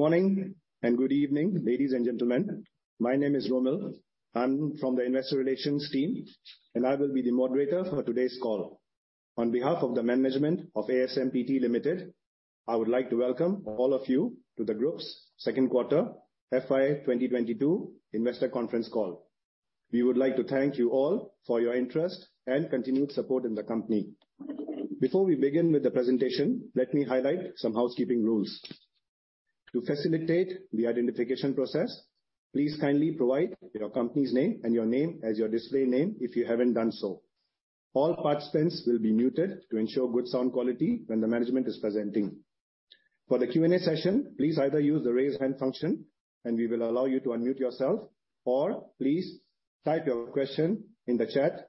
Good morning and good evening, ladies and gentlemen. My name is Romil. I'm from the investor relations team, and I will be the moderator for today's call. On behalf of the management of ASMPT Limited, I would like to welcome all of you to the group's second quarter FY 2022 investor conference call. We would like to thank you all for your interest and continued support in the company. Before we begin with the presentation, let me highlight some housekeeping rules. To facilitate the identification process, please kindly provide your company's name and your name as your display name if you haven't done so. All participants will be muted to ensure good sound quality when the management is presenting. For the Q&A session, please either use the Raise Hand function, and we will allow you to unmute yourself, or please type your question in the chat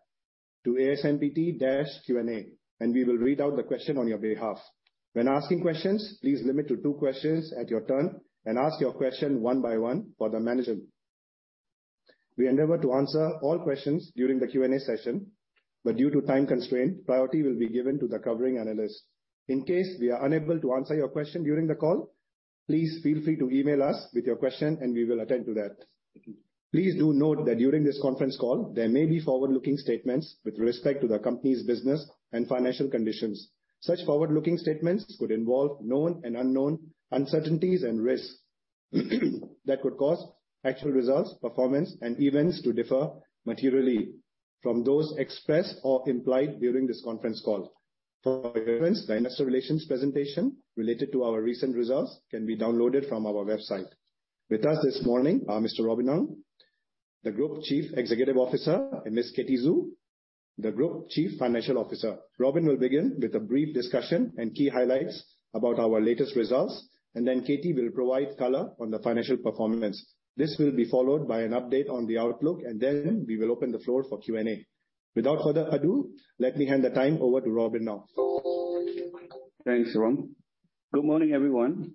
to ASMPT-Q&A, and we will read out the question on your behalf. When asking questions, please limit to two questions at your turn and ask your question one by one for the management. We endeavor to answer all questions during the Q&A session, but due to time constraint, priority will be given to the covering analyst. In case we are unable to answer your question during the call, please feel free to email us with your question, and we will attend to that. Please do note that during this conference call, there may be forward-looking statements with respect to the company's business and financial conditions. Such forward-looking statements could involve known and unknown uncertainties and risks that could cause actual results, performance, and events to differ materially from those expressed or implied during this conference call. For reference, the investor relations presentation related to our recent results can be downloaded from our website. With us this morning are Mr. Robin Ng, the Group Chief Executive Officer, and Ms. Katie Xu, the Group Chief Financial Officer. Robin will begin with a brief discussion and key highlights about our latest results, and then Katy will provide color on the financial performance. This will be followed by an update on the outlook, and then we will open the floor for Q&A. Without further ado, let me hand the time over to Robin now. Thanks, Rom. Good morning, everyone,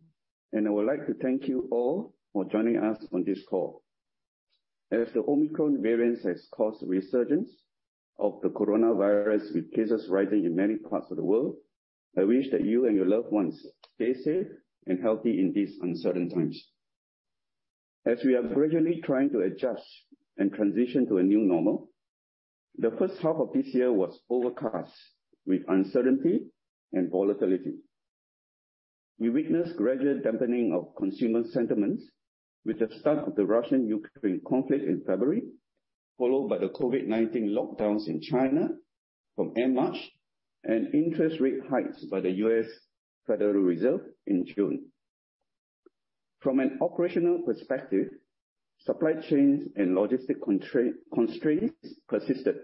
and I would like to thank you all for joining us on this call. As the Omicron variant has caused a resurgence of the coronavirus, with cases rising in many parts of the world, I wish that you and your loved ones stay safe and healthy in these uncertain times. As we are gradually trying to adjust and transition to a new normal, the first half of this year was overcast with uncertainty and volatility. We witnessed gradual dampening of consumer sentiments with the start of the Russia-Ukraine conflict in February, followed by the COVID-19 lockdowns in China from March and interest rate hikes by the U.S. Federal Reserve in June. From an operational perspective, supply chains and logistic constraints persisted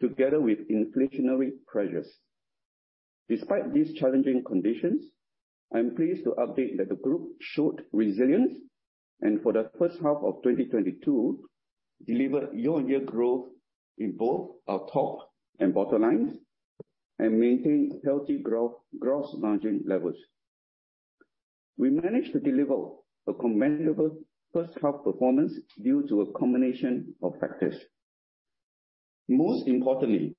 together with inflationary pressures. Despite these challenging conditions, I am pleased to update that the group showed resilience and, for the first half of 2022, delivered year-on-year growth in both our top and bottom lines and maintained healthy gross margin levels. We managed to deliver a commendable first half performance due to a combination of factors. Most importantly,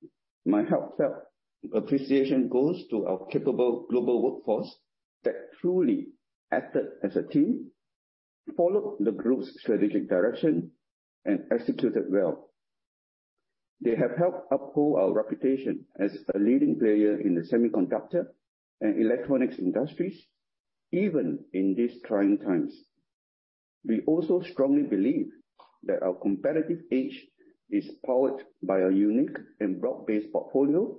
my heartfelt appreciation goes to our capable global workforce that truly acted as a team, followed the group's strategic direction, and executed well. They have helped uphold our reputation as a leading player in the semiconductor and electronics industries, even in these trying times. We also strongly believe that our competitive edge is powered by a unique and broad-based portfolio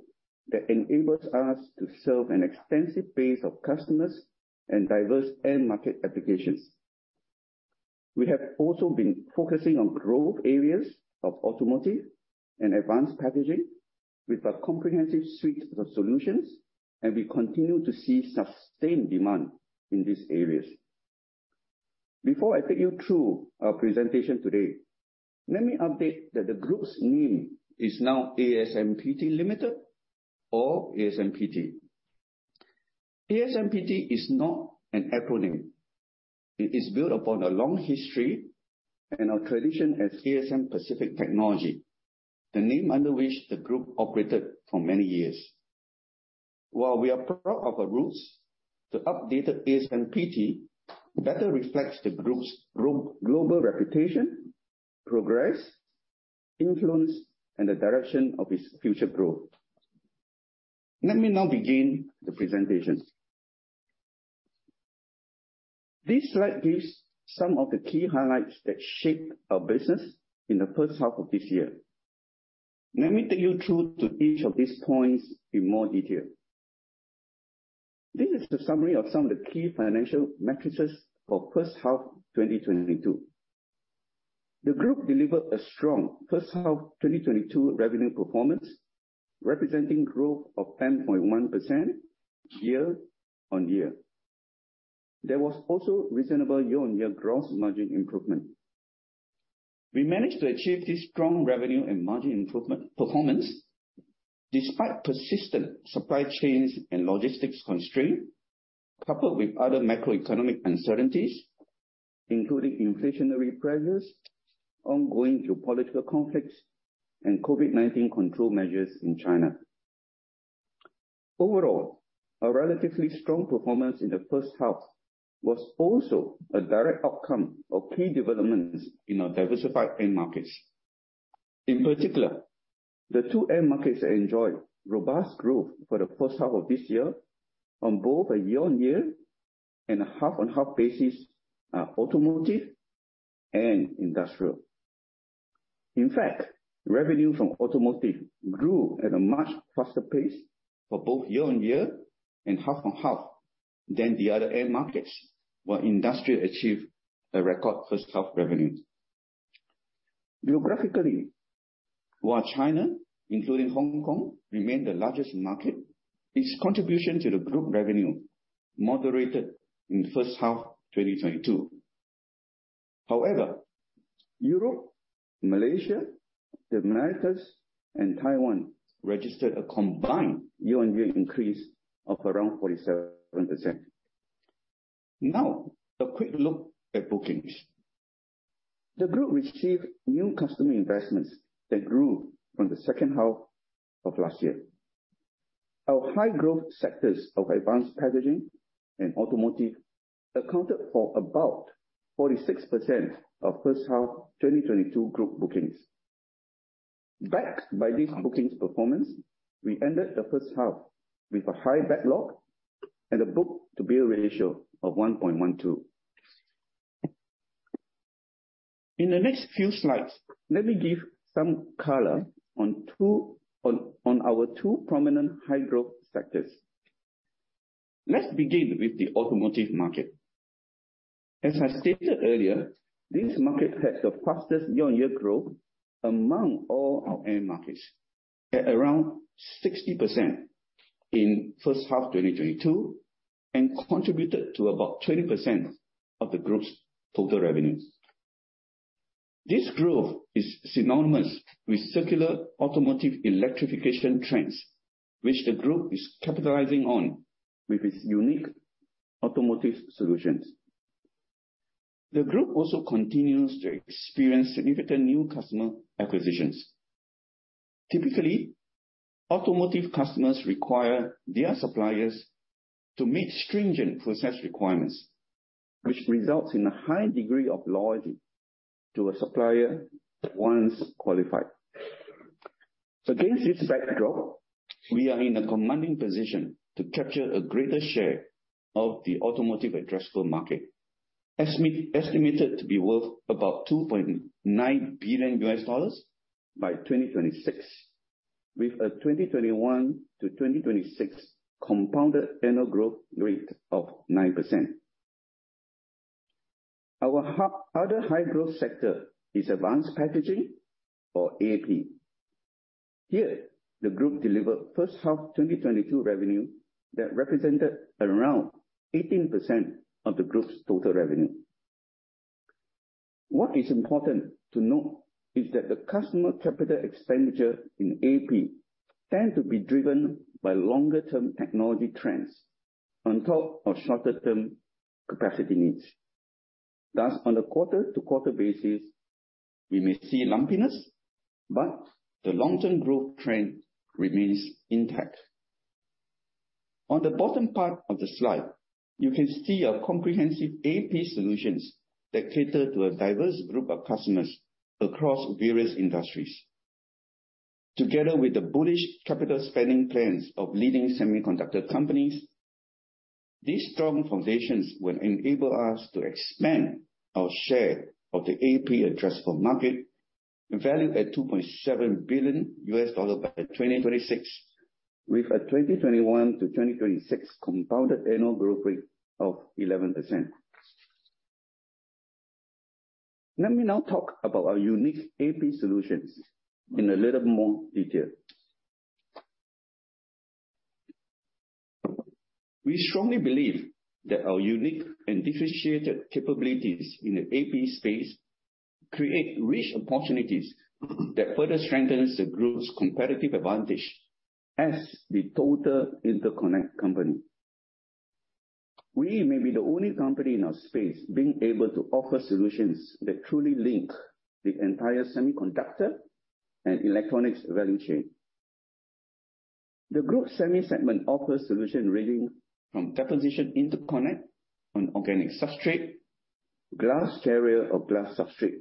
that enables us to serve an extensive base of customers and diverse end market applications. We have also been focusing on growth areas of automotive and advanced packaging with a comprehensive suite of solutions, and we continue to see sustained demand in these areas. Before I take you through our presentation today, let me update that the group's name is now ASMPT Limited or ASMPT. ASMPT is not an acronym. It is built upon a long history and our tradition at ASM Pacific Technology, the name under which the group operated for many years. While we are proud of our roots, the updated ASMPT better reflects the group's global reputation, progress, influence, and the direction of its future growth. Let me now begin the presentation. This slide gives some of the key highlights that shaped our business in the first half of this year. Let me take you through to each of these points in more detail. This is the summary of some of the key financial metrics for first half 2022. The group delivered a strong first half of 2022 revenue performance, representing growth of 10.1% year-on-year. There was also reasonable year-on-year gross margin improvement. We managed to achieve this strong revenue and margin improvement performance despite persistent supply chains and logistics constraint, coupled with other macroeconomic uncertainties, including inflationary pressures, ongoing geopolitical conflicts, and COVID-19 control measures in China. Overall, our relatively strong performance in the first half was also a direct outcome of key developments in our diversified end markets. In particular, the two end markets enjoyed robust growth for the first half of this year on both a year-on-year and half-on-half basis are automotive and industrial. In fact, revenue from automotive grew at a much faster pace for both year-on-year and half-on-half than the other end markets, while industrial achieved a record first half revenue. Geographically, while China, including Hong Kong, remained the largest market, its contribution to the group revenue moderated in the first half 2022. However, Europe, Malaysia, the Americas and Taiwan registered a combined year-on-year increase of around 47%. Now a quick look at bookings. The group received new customer investments that grew from the second half of last year. Our high growth sectors of advanced packaging and automotive accounted for about 46% of first half 2022 group bookings. Backed by this bookings performance, we ended the first half with a high backlog and a book-to-bill ratio of 1.12. In the next few slides, let me give some color on our two prominent high-growth sectors. Let's begin with the automotive market. As I stated earlier, this market has the fastest year-on-year growth among all our end markets, at around 60% in first half 2022, and contributed to about 20% of the group's total revenues. This growth is synonymous with circular automotive electrification trends, which the group is capitalizing on with its unique automotive solutions. The group also continues to experience significant new customer acquisitions. Typically, automotive customers require their suppliers to meet stringent process requirements, which results in a high degree of loyalty to a supplier once qualified. Against this backdrop, we are in a commanding position to capture a greater share of the automotive addressable market, estimated to be worth about $2.9 billion by 2026, with a 2021 to 2026 compounded annual growth rate of 9%. Our other high-growth sector is advanced packaging, or AP. Here the group delivered first half 2022 revenue that represented around 18% of the group's total revenue. What is important to note is that the customer capital expenditure in AP tends to be driven by longer-term technology trends on top of shorter-term capacity needs. Thus, on a quarter-to-quarter basis, we may see lumpiness, but the long-term growth trend remains intact. On the bottom part of the slide, you can see our comprehensive AP solutions that cater to a diverse group of customers across various industries. Together with the bullish capital spending plans of leading semiconductor companies, these strong foundations will enable us to expand our share of the AP addressable market, valued at $2.7 billion by 2026, with a 2021-2026 compounded annual growth rate of 11%. Let me now talk about our unique AP solutions in a little more detail. We strongly believe that our unique and differentiated capabilities in the AP space create rich opportunities that further strengthens the group's competitive advantage as the total interconnect company. We may be the only company in our space being able to offer solutions that truly link the entire semiconductor and electronics value chain. The group semi segment offers solutions ranging from deposition, interconnect on organic substrate, glass carrier or glass substrate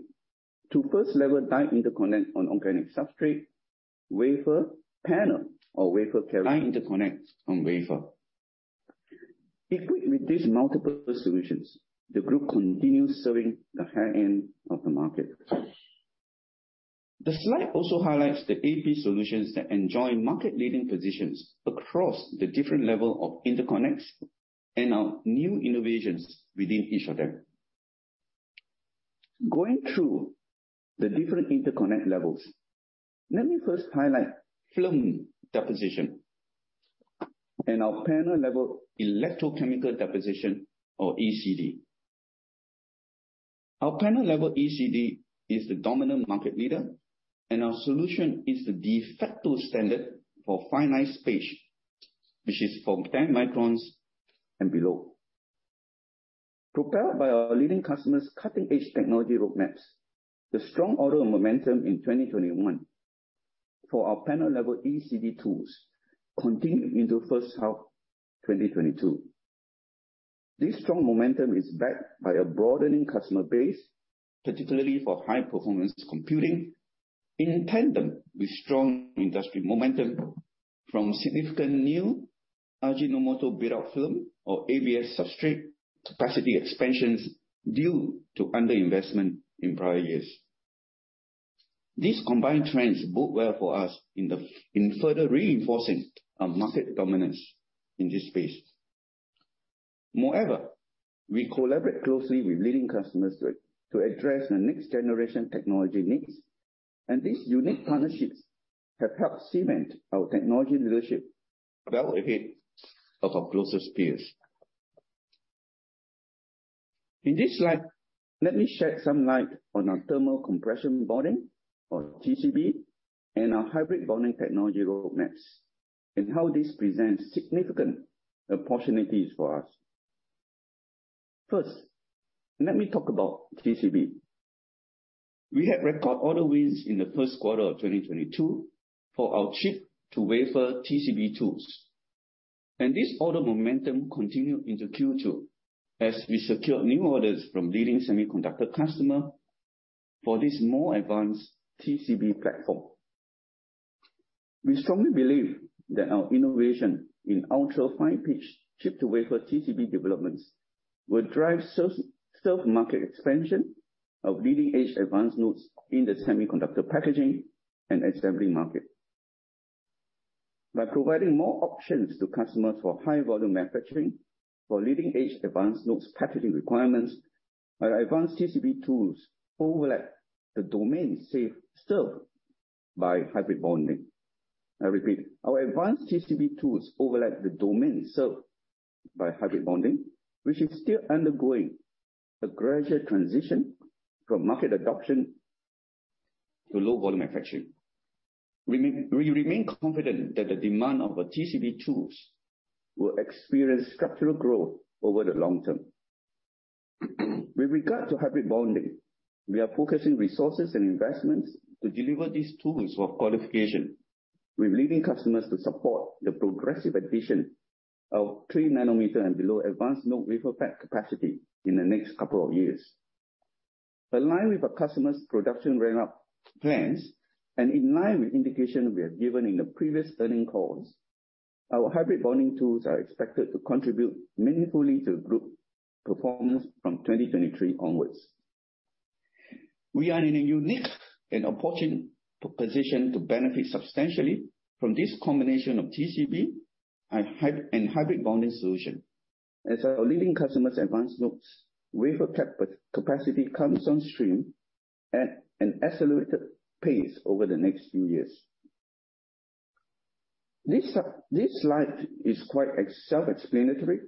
to first level die interconnect on organic substrate, wafer, panel or wafer carrier interconnect on wafer. Equipped with these multiple solutions, the group continues serving the high-end of the market. The slide also highlights the AP solutions that enjoy market-leading positions across the different levels of interconnects, and our new innovations within each of them. Going through the different interconnect levels, let me first highlight film deposition and our panel-level Electrochemical Deposition, or ECD. Our panel-level ECD is the dominant market leader, and our solution is the de facto standard for fine pitch space, which is from 10 microns and below. Propelled by our leading customers' cutting-edge technology roadmaps, the strong order momentum in 2021 for our panel-level ECD tools continued into first half 2022. This strong momentum is backed by a broadening customer base, particularly for high-performance computing, in tandem with strong industry momentum from significant new Ajinomoto Build-up Film or ABF substrate capacity expansions due to under-investment in prior years. These combined trends bode well for us in further reinforcing our market dominance in this space. Moreover, we collaborate closely with leading customers to address the next-generation technology needs, and these unique partnerships have helped cement our technology leadership. Well ahead of our closest peers. In this slide, let me shed some light on our Thermo Compression Bonding, or TCB, and our hybrid bonding technology roadmaps, and how this presents significant opportunities for us. First, let me talk about TCB. We had record order wins in the first quarter of 2022 for our chip-to-wafer TCB tools. This order momentum continued into Q2, as we secured new orders from leading semiconductor customer for this more advanced TCB platform. We strongly believe that our innovation in ultra high-pitch chip-to-wafer TCB developments will drive served market expansion of leading-edge advanced nodes in the semiconductor packaging and assembly market. By providing more options to customers for high-volume manufacturing for leading-edge advanced nodes packaging requirements, our advanced TCB tools overlap the domain served by hybrid bonding. I repeat, our advanced TCB tools overlap the domain served by hybrid bonding, which is still undergoing a gradual transition from market adoption to low-volume manufacturing. We remain confident that the demand of our TCB tools will experience structural growth over the long term. With regard to hybrid bonding, we are focusing resources and investments to deliver these tools for qualification with leading customers to support the progressive addition of three-nanometer and below advanced node wafer pack capacity in the next couple of years. Aligned with our customers' production ramp-up plans and in line with indication we have given in the previous earnings calls, our hybrid bonding tools are expected to contribute meaningfully to group performance from 2023 onwards. We are in a unique and opportune position to benefit substantially from this combination of TCB and hybrid bonding solution as our leading customers' advanced nodes wafer pack capacity comes on stream at an accelerated pace over the next few years. This slide is quite self-explanatory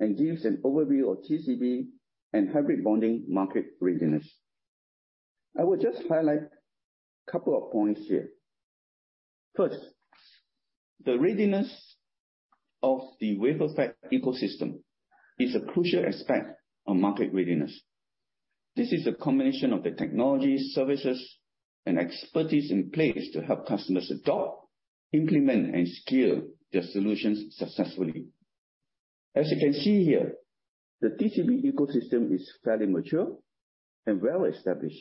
and gives an overview of TCB and hybrid bonding market readiness. I will just highlight couple of points here. First, the readiness of the wafer pack ecosystem is a crucial aspect of market readiness. This is a combination of the technology, services, and expertise in place to help customers adopt, implement, and scale their solutions successfully. As you can see here, the TCB ecosystem is fairly mature and well-established,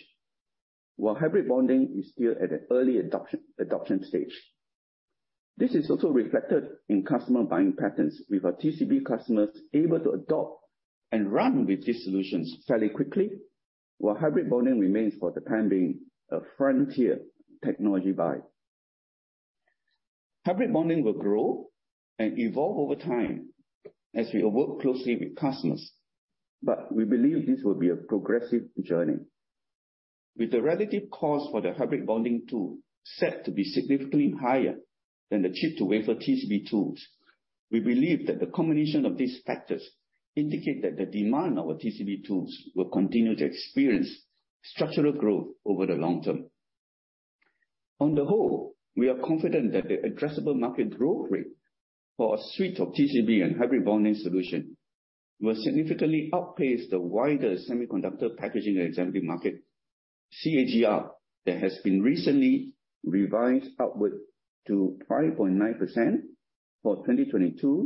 while hybrid bonding is still at an early adoption stage. This is also reflected in customer buying patterns, with our TCB customers able to adopt and run with these solutions fairly quickly, while hybrid bonding remains, for the time being, a frontier technology buy. Hybrid bonding will grow and evolve over time as we work closely with customers, but we believe this will be a progressive journey. With the relative cost for the hybrid bonding tool set to be significantly higher than the chip-to-wafer TCB tools, we believe that the combination of these factors indicate that the demand of our TCB tools will continue to experience structural growth over the long term. On the whole, we are confident that the addressable market growth rate for our suite of TCB and hybrid bonding solution will significantly outpace the wider semiconductor packaging and assembly market CAGR that has been recently revised upward to 5.9% for 2022-2027.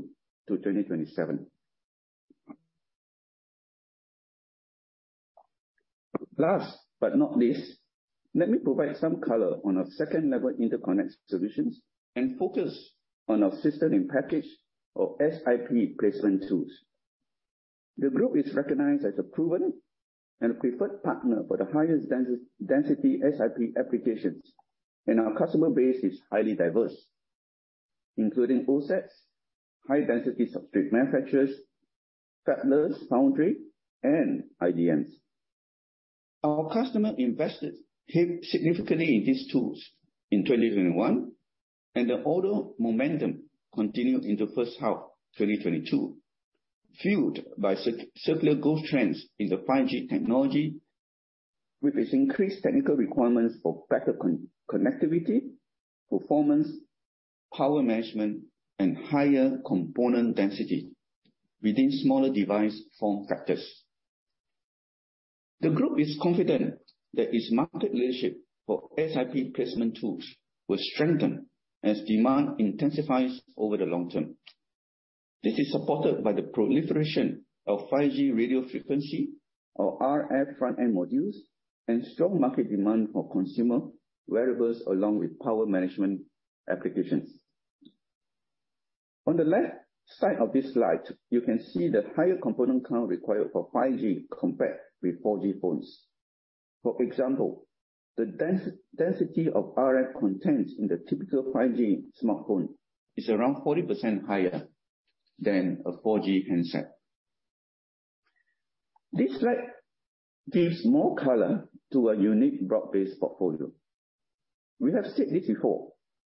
Last but not least, let me provide some color on our second-level interconnect solutions and focus on our system-in-package or SiP placement tools. The group is recognized as a proven and preferred partner for the highest density SiP applications, and our customer base is highly diverse, including OSATs, high-density substrate manufacturers, fabless, foundry, and IDMs. Our customer invested significantly in these tools in 2021, and the order momentum continued into first half 2022, fueled by circular growth trends in the 5G technology with its increased technical requirements for better connectivity, performance, power management, and higher component density within smaller device form factors. The group is confident that its market leadership for SiP placement tools will strengthen as demand intensifies over the long term. This is supported by the proliferation of 5G radio frequency or RF front-end modules and strong market demand for consumer wearables along with power management applications. On the left side of this slide, you can see the higher component count required for 5G compared with 4G phones. For example, the density of RF content in the typical 5G smartphone is around 40% higher than a 4G handset. This slide gives more color to our unique broad-based portfolio. We have said this before,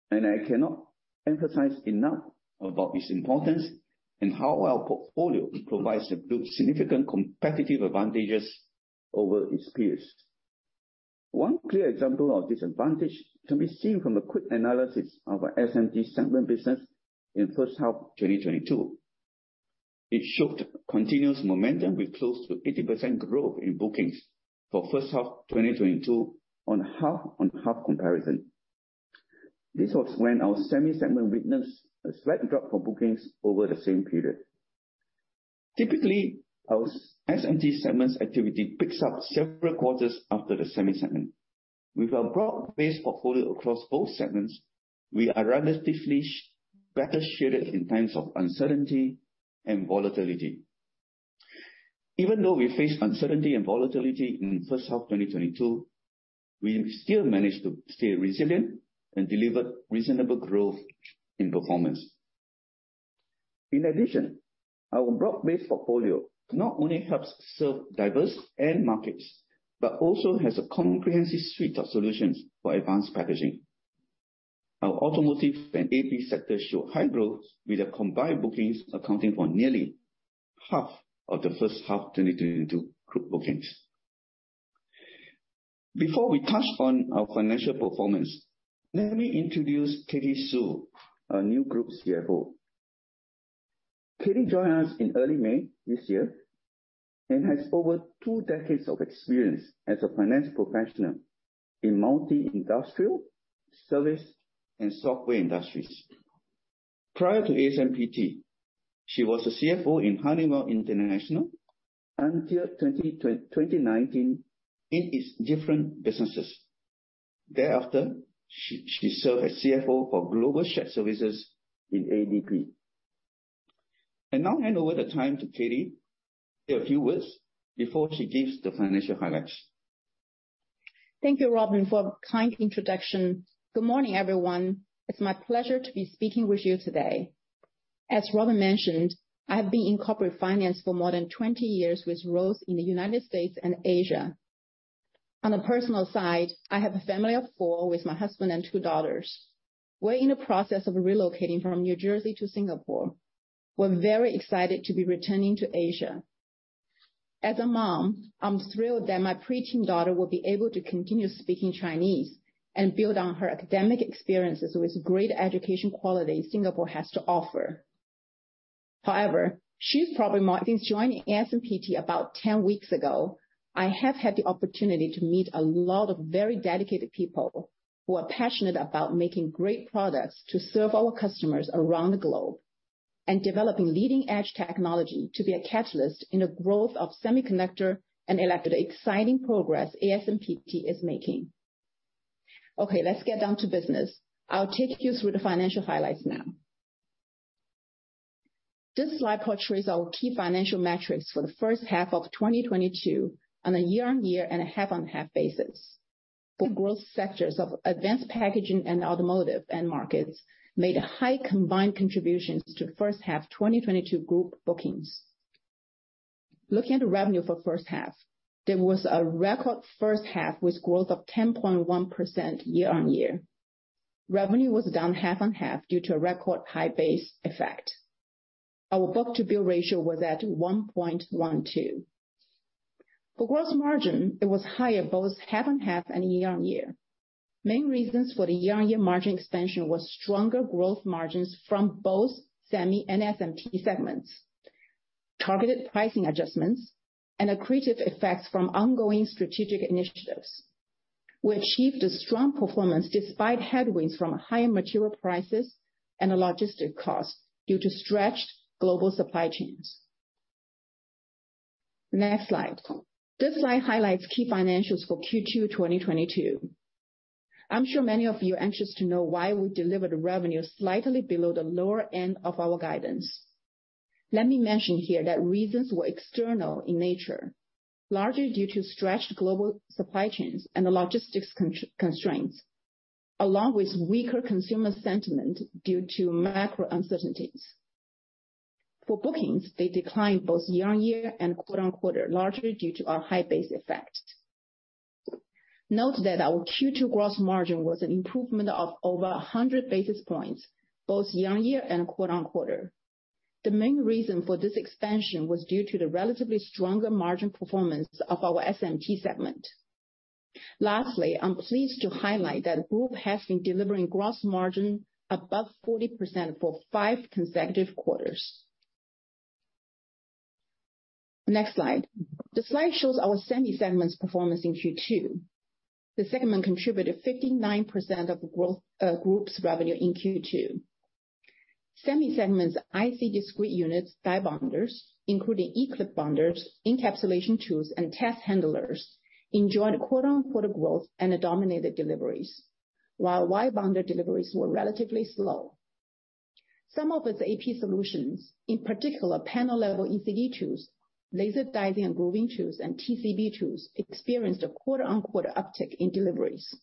and I cannot emphasize enough about its importance and how our portfolio provides significant competitive advantages over its peers. One clear example of this advantage can be seen from a quick analysis of our SMT segment business in first half 2022. It showed continuous momentum with close to 80% growth in bookings for first half 2022 on half-on-half comparison. This was when our semi segment witnessed a slight drop for bookings over the same period. Typically, our SMT segment's activity picks up several quarters after the semi segment. With our broad-based portfolio across both segments, we are relatively better shielded in times of uncertainty and volatility. Even though we face uncertainty and volatility in first half 2022, we still managed to stay resilient and deliver reasonable growth in performance. In addition, our broad-based portfolio not only helps serve diverse end markets, but also has a comprehensive suite of solutions for advanced packaging. Our automotive and AP sector show high growth with their combined bookings accounting for nearly half of the first half 2022 group bookings. Before we touch on our financial performance, let me introduce Katie Xu, our new Group CFO. Katie joined us in early May this year and has over two decades of experience as a finance professional in multi-industrial, service, and software industries. Prior to ASMPT, she was a CFO in Honeywell International until 2019 in its different businesses. Thereafter, she served as CFO for Global Shared Services in ADP. I now hand over the time to Katie to say a few words before she gives the financial highlights. Thank you, Robin, for a kind introduction. Good morning, everyone. It's my pleasure to be speaking with you today. As Robin mentioned, I have been in corporate finance for more than 20 years, with roles in the United States and Asia. On a personal side, I have a family of four with my husband and two daughters. We're in the process of relocating from New Jersey to Singapore. We're very excited to be returning to Asia. As a mom, I'm thrilled that my preteen daughter will be able to continue speaking Chinese and build on her academic experiences with great education quality Singapore has to offer. Since joining ASMPT about 10 weeks ago, I have had the opportunity to meet a lot of very dedicated people who are passionate about making great products to serve our customers around the globe and developing leading-edge technology to be a catalyst in the growth of semiconductor and electronics, exciting progress ASMPT is making. Okay, let's get down to business. I'll take you through the financial highlights now. This slide portrays our key financial metrics for the first half of 2022 on a year-on-year and a half-on-half basis. The growth sectors of advanced packaging and automotive end markets made high combined contributions to first half 2022 group bookings. Looking at the revenue for first half, there was a record first half with growth of 10.1% year-on-year. Revenue was down half-on-half due to a record high base effect. Our book-to-bill ratio was at 1.12. For gross margin, it was higher both quarter-on-quarter and year-on-year. Main reasons for the year-on-year margin expansion was stronger growth margins from both semi and SMT segments, targeted pricing adjustments, and accretive effects from ongoing strategic initiatives. We achieved a strong performance despite headwinds from higher material prices and logistics costs due to stretched global supply chains. Next slide. This slide highlights key financials for Q2 2022. I'm sure many of you are anxious to know why we delivered revenue slightly below the lower end of our guidance. Let me mention here that reasons were external in nature, largely due to stretched global supply chains and logistics constraints, along with weaker consumer sentiment due to macro uncertainties. For bookings, they declined both year-on-year and quarter-on-quarter, largely due to our high base effect. Note that our Q2 gross margin was an improvement of over 100 basis points, both year-on-year and quarter-on-quarter. The main reason for this expansion was due to the relatively stronger margin performance of our SMT segment. Lastly, I'm pleased to highlight that group has been delivering gross margin above 40% for consecutive quarters. Next slide. The slide shows our semi-segment's performance in Q2. The segment contributed 59% of group's revenue in Q2. Semi segment's IC discrete units, die bonders, including eClip bonders, encapsulation tools, and test handlers, enjoyed quarter-on-quarter growth and dominated deliveries. While wire bonder deliveries were relatively slow. Some of its AP solutions, in particular panel-level ECD tools, laser dicing and grooving tools, and TCB tools, experienced a quarter-on-quarter uptick in deliveries.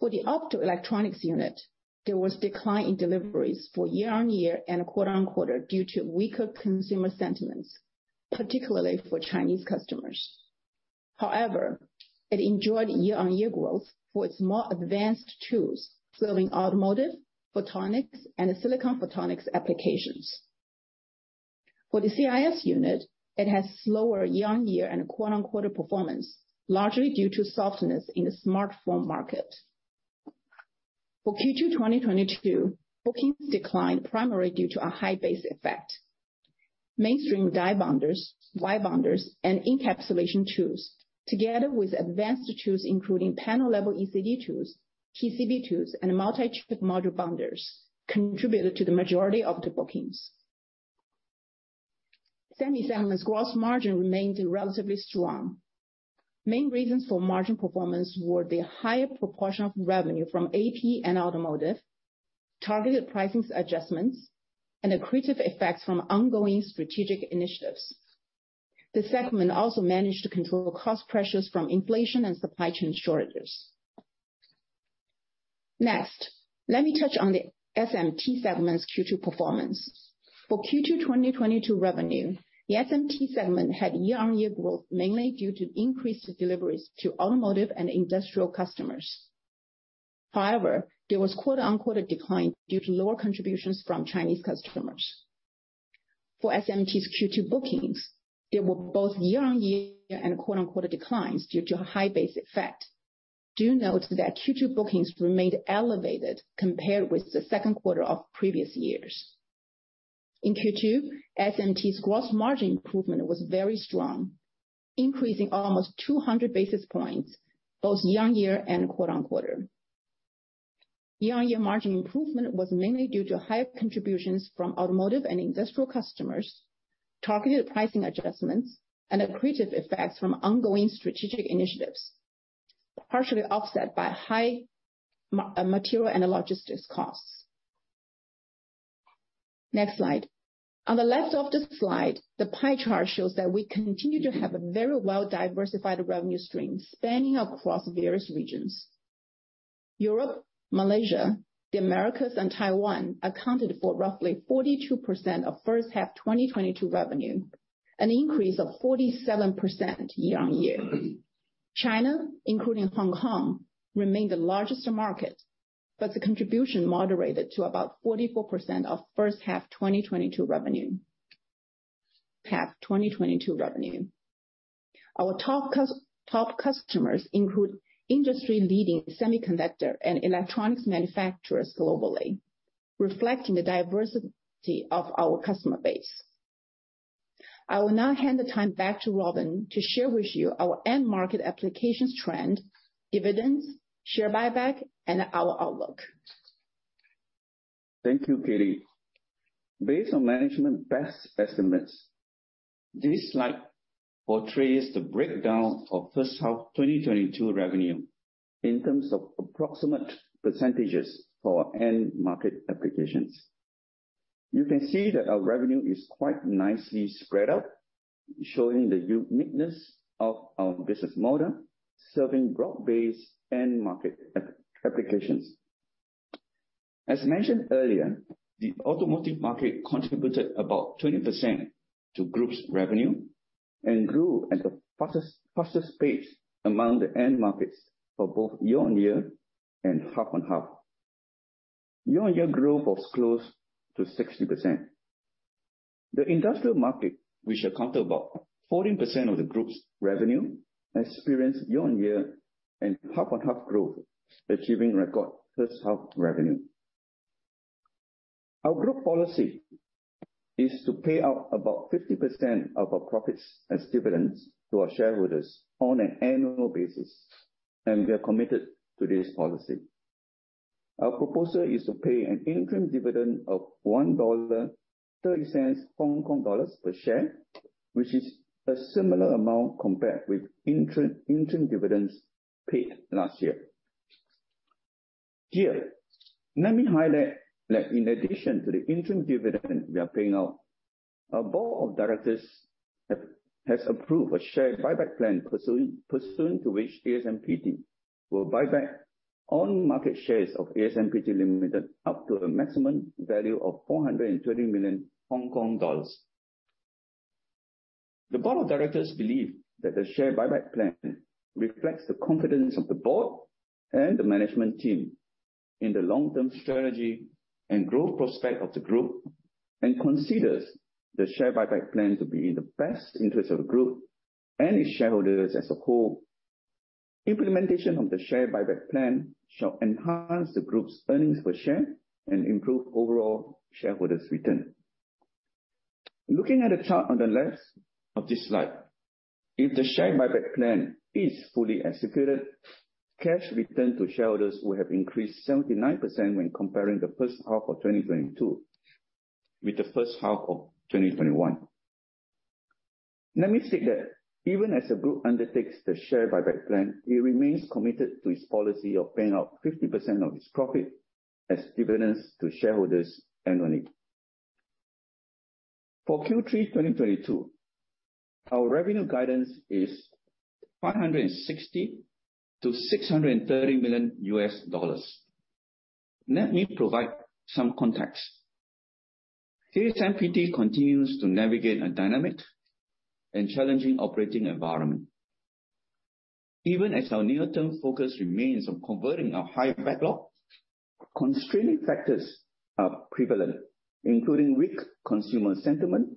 For the optoelectronics unit, there was decline in deliveries for year-on-year and quarter-on-quarter due to weaker consumer sentiments, particularly for Chinese customers. However, it enjoyed year-on-year growth for its more advanced tools, serving automotive, photonics, and silicon photonics applications. For the CIS unit, it has slower year-on-year and quarter-on-quarter performance, largely due to softness in the smartphone market. For Q2 2022, bookings declined primarily due to a high base effect. Mainstream die bonders, wire bonders, and encapsulation tools, together with advanced tools, including panel-level ECD tools, TCB tools, and multi-chip module bonders, contributed to the majority of the bookings. Semi-segment's gross margin remained relatively strong. Main reasons for margin performance were the higher proportion of revenue from AP and automotive, targeted pricing adjustments, and accretive effects from ongoing strategic initiatives. The segment also managed to control cost pressures from inflation and supply chain shortages. Next, let me touch on the SMT segment's Q2 performance. For Q2 2022 revenue, the SMT segment had year-on-year growth, mainly due to increased deliveries to automotive and industrial customers. However, there was quarter-on-quarter decline due to lower contributions from Chinese customers. For SMT's Q2 bookings, there were both year-on-year and quarter-on-quarter declines due to a high base effect. Do note that Q2 bookings remained elevated compared with the second quarter of previous years. In Q2, SMT's gross margin improvement was very strong, increasing almost 200 basis points, both year-on-year and quarter-on-quarter. Year-on-year margin improvement was mainly due to higher contributions from automotive and industrial customers, targeted pricing adjustments, and accretive effects from ongoing strategic initiatives, partially offset by high material and logistics costs. Next slide. On the left of the slide, the pie chart shows that we continue to have a very well-diversified revenue stream spanning across various regions. Europe, Malaysia, the Americas, and Taiwan accounted for roughly 42% of first half 2022 revenue, an increase of 47% year-on-year. China, including Hong Kong, remained the largest market, but the contribution moderated to about 44% of first half 2022 revenue. Our top customers include industry-leading semiconductor and electronics manufacturers globally, reflecting the diversity of our customer base. I will now hand the time back to Robin to share with you our end market applications trend, dividends, share buyback, and our outlook. Thank you, Katie. Based on management's best estimates, this slide portrays the breakdown of first half 2022 revenue in terms of approximate percentages for end market applications. You can see that our revenue is quite nicely spread out, showing the uniqueness of our business model, serving broad-based end market applications. As mentioned earlier, the automotive market contributed about 20% to group's revenue and grew at the fastest pace among the end markets for both year-over-year and half-over-half. Year-over-year growth was close to 60%. The industrial market, which accounted for about 14% of the group's revenue, experienced year-over-year and half-over-half growth, achieving record first half revenue. Our group policy is to pay out about 50% of our profits as dividends to our shareholders on an annual basis, and we are committed to this policy. Our proposal is to pay an interim dividend of 1.30 Hong Kong dollars per share, which is a similar amount compared with interim dividends paid last year. Here, let me highlight that in addition to the interim dividend we are paying out, our board of directors has approved a share buyback plan pursuant to which ASMPT will buy back on market shares of ASMPT Limited up to a maximum value of 430 million Hong Kong dollars. The board of directors believe that the share buyback plan reflects the confidence of the board and the management team in the long-term strategy and growth prospect of the group and considers the share buyback plan to be in the best interest of the group and its shareholders as a whole. Implementation of the share buyback plan shall enhance the group's earnings per share and improve overall shareholders' return. Looking at the chart on the left of this slide, if the share buyback plan is fully executed, cash return to shareholders will have increased 79% when comparing the first half of 2022 with the first half of 2021. Let me state that even as the group undertakes the share buyback plan, it remains committed to its policy of paying out 50% of its profit as dividends to shareholders annually. For Q3 2022, our revenue guidance is $560 million to $630 million. Let me provide some context. ASMPT continues to navigate a dynamic and challenging operating environment. Even as our near-term focus remains on converting our high backlog, constraining factors are prevalent, including weak consumer sentiment,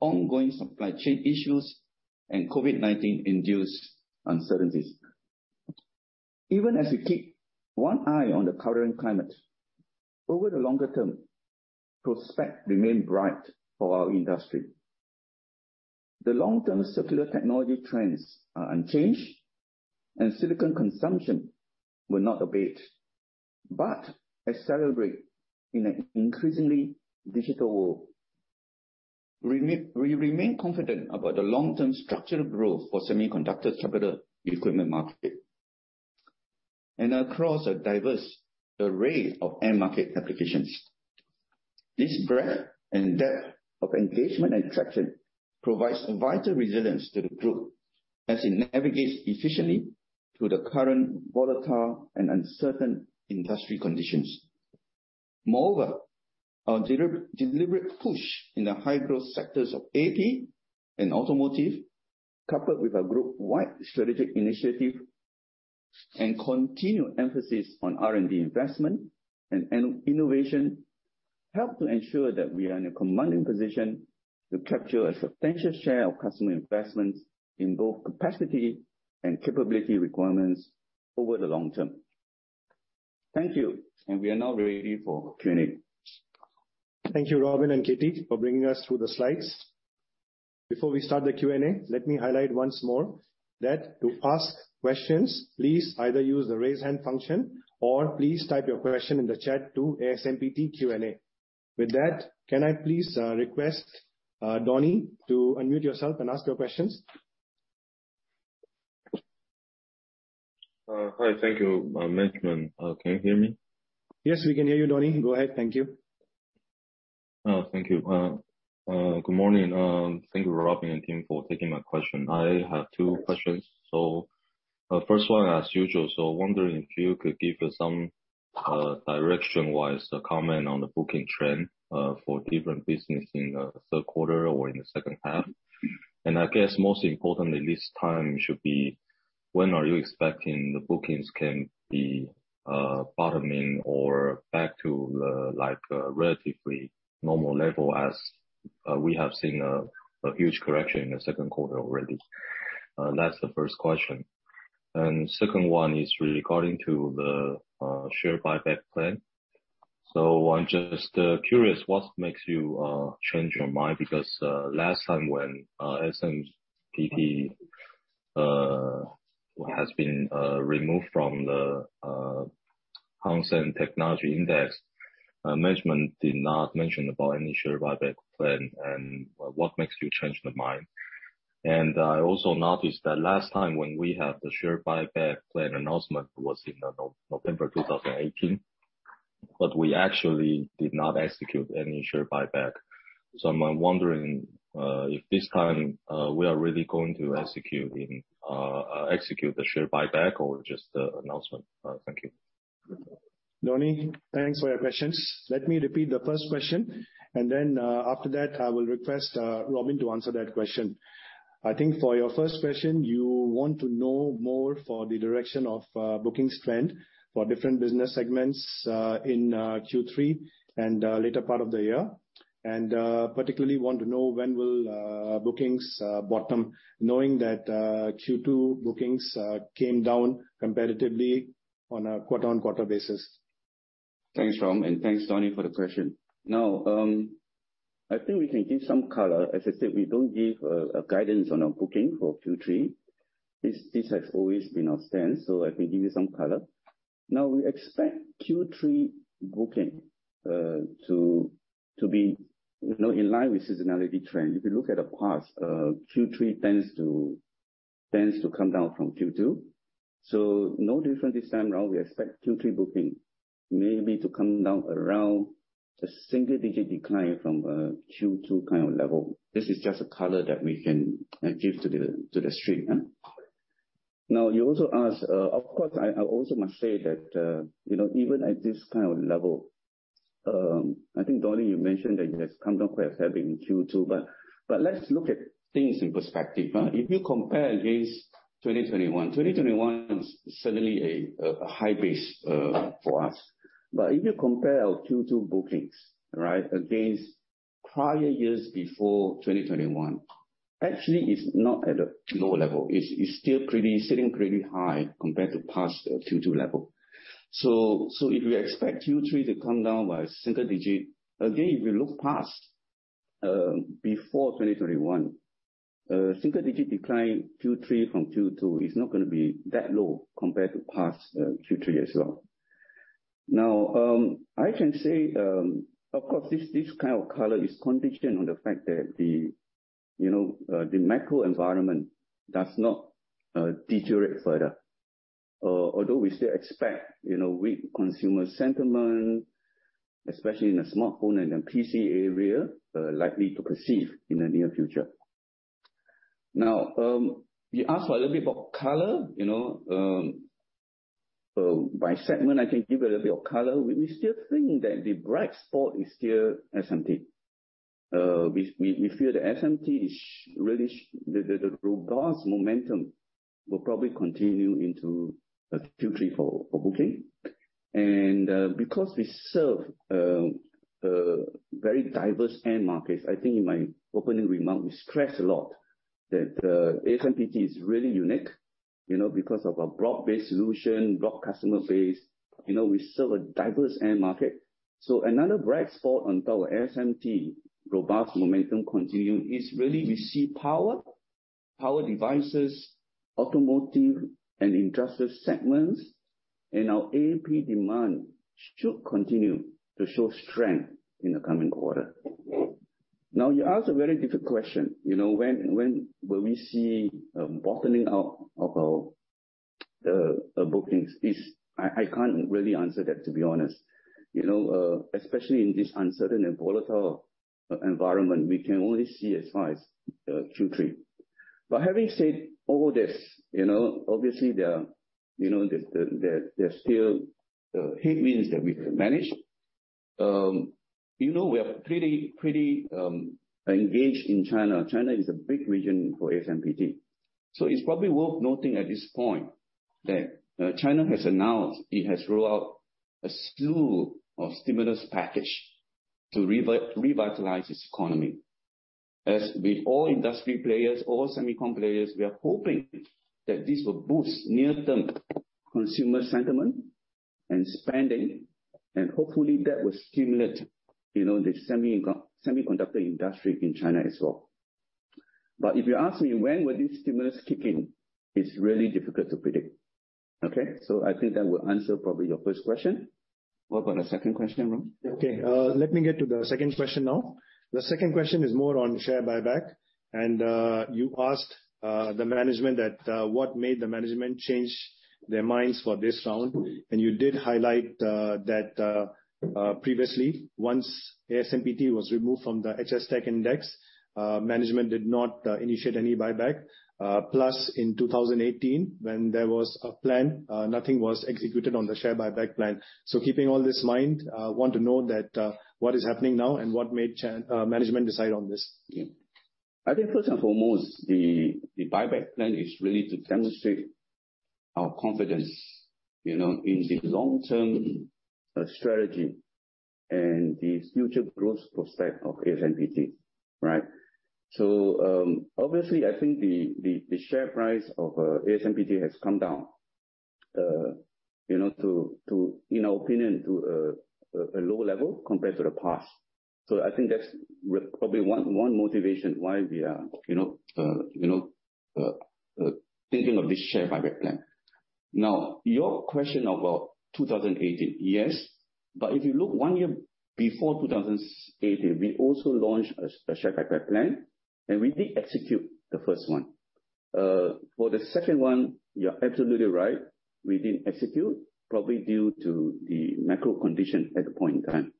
ongoing supply chain issues, and COVID-19-induced uncertainties. Even as we keep one eye on the current climate, over the longer term, prospects remain bright for our industry. The long-term circular technology trends are unchanged, and silicon consumption will not abate, but accelerate in an increasingly digital world. We remain confident about the long-term structural growth for semiconductor capital equipment market and across a diverse array of end market applications. This breadth and depth of engagement and traction provides a vital resilience to the group as it navigates efficiently through the current volatile and uncertain industry conditions. Moreover, our deliberate push in the high-growth sectors of AP and automotive, coupled with our group-wide strategic initiative and continued emphasis on R&D investment and innovation, help to ensure that we are in a commanding position to capture a substantial share of customer investments in both capacity and capability requirements over the long term. Thank you, and we are now ready for Q&A. Thank you, Robin and Katie, for bringing us through the slides. Before we start the Q&A, let me highlight once more that to ask questions, please either use the raise hand function or please type your question in the chat to ASMPT-Q&A. With that, can I please request Donnie to unmute yourself and ask your questions? Hi. Thank you, management. Can you hear me? Yes, we can hear you, Donnie. Go ahead. Thank you. Oh, thank you. Good morning. Thank you, Robin and team, for taking my question. I have two questions. First one, as usual, wondering if you could give some direction-wise comment on the booking trend for different business in the third quarter or in the second half. I guess most importantly this time should be, when are you expecting the bookings can be bottoming or back to the, like, relatively normal level as we have seen a huge correction in the second quarter already. That's the first question. Second one is regarding to the share buyback plan. I'm just curious, what makes you change your mind? Because last time when ASMPT has been removed from the Hang Seng TECH Index, management did not mention about any share buyback plan and what makes you change the mind? I also noticed that last time when we had the share buyback plan announcement was in November 2018, but we actually did not execute any share buyback. I'm wondering if this time we are really going to execute the share buyback or just the announcement. Thank you. Donnie, thanks for your questions. Let me repeat the first question, and then, after that I will request Robin to answer that question. I think for your first question, you want to know more for the direction of bookings trend for different business segments in Q3 and later part of the year. Particularly want to know when will bookings bottom, knowing that Q2 bookings came down considerably on a quarter-over-quarter basis. Thanks, Romil, and thanks Donnie for the question. Now, I think we can give some color. As I said, we don't give a guidance on our booking for Q3. This has always been our stance, so let me give you some color. Now, we expect Q3 booking to be, you know, in line with seasonality trend. If you look at the past, Q3 tends to come down from Q2. No different this time around. We expect Q3 booking maybe to come down around a single-digit decline from Q2 kind of level. This is just a color that we can give to the street. Yeah. Now, you also asked, of course, I also must say that, you know, even at this kind of level, I think, Donnie, you mentioned that it has come down quite a bit in Q2, but let's look at things in perspective, huh? If you compare against 2021 is certainly a high base for us. If you compare our Q2 bookings, right, against prior years before 2021, actually it's not at a low level. It's still pretty sitting pretty high compared to past Q2 level. If we expect Q3 to come down by single digit, again, if you look past, before 2021, single digit decline Q3 from Q2 is not gonna be that low compared to past Q3 as well. Now, I can say, of course, this kind of color is conditioned on the fact that, you know, the macro environment does not deteriorate further. Although we still expect, you know, weak consumer sentiment, especially in the smartphone and the PC area, likely to persist in the near future. Now, you asked a little bit about color, you know. By segment, I can give a little bit of color. We still think that the bright spot is still SMT. We feel the SMT is really the robust momentum will probably continue into Q3 for booking. Because we serve a very diverse end markets, I think in my opening remark, we stressed a lot that ASMPT is really unique, you know, because of our broad-based solution, broad customer base. You know, we serve a diverse end market. Another bright spot on top of SMT robust momentum continue is really we see power devices, automotive and industrial segments, and our AP demand should continue to show strength in the coming quarter. Now, you asked a very difficult question. You know, when will we see a bottoming out of our bookings. I can't really answer that, to be honest. You know, especially in this uncertain and volatile environment, we can only see as far as Q3. Having said all this, you know, obviously, there are, you know, there's still headwinds that we can manage. You know, we are pretty engaged in China. China is a big region for ASMPT. It's probably worth noting at this point that China has announced it has rolled out a slew of stimulus package to revitalize its economy. As with all industry players, all semicon players, we are hoping that this will boost near-term consumer sentiment and spending, and hopefully that will stimulate, you know, the semiconductor industry in China as well. If you ask me when will this stimulus kick in, it's really difficult to predict. Okay? So I think that will answer probably your first question. What about the second question, Romil? Okay. Let me get to the second question now. The second question is more on share buyback. You asked the management what made the management change their minds for this round. You did highlight that previously, once ASMPT was removed from the HS TECH Index, management did not initiate any buyback. Plus in 2018, when there was a plan, nothing was executed on the share buyback plan. Keeping all this in mind, want to know what is happening now and what made management decide on this? Yeah. I think first and foremost, the buyback plan is really to demonstrate our confidence, you know, in the long-term strategy and the future growth prospect of ASMPT, right? Obviously, I think the share price of ASMPT has come down, you know, to, in our opinion, a low level compared to the past. I think that's probably one motivation why we are, you know, thinking of this share buyback plan. Now, your question about 2018. Yes, but if you look one year before 2018, we also launched a share buyback plan, and we did execute the first one. For the second one, you're absolutely right. We didn't execute probably due to the macro condition at the point in time.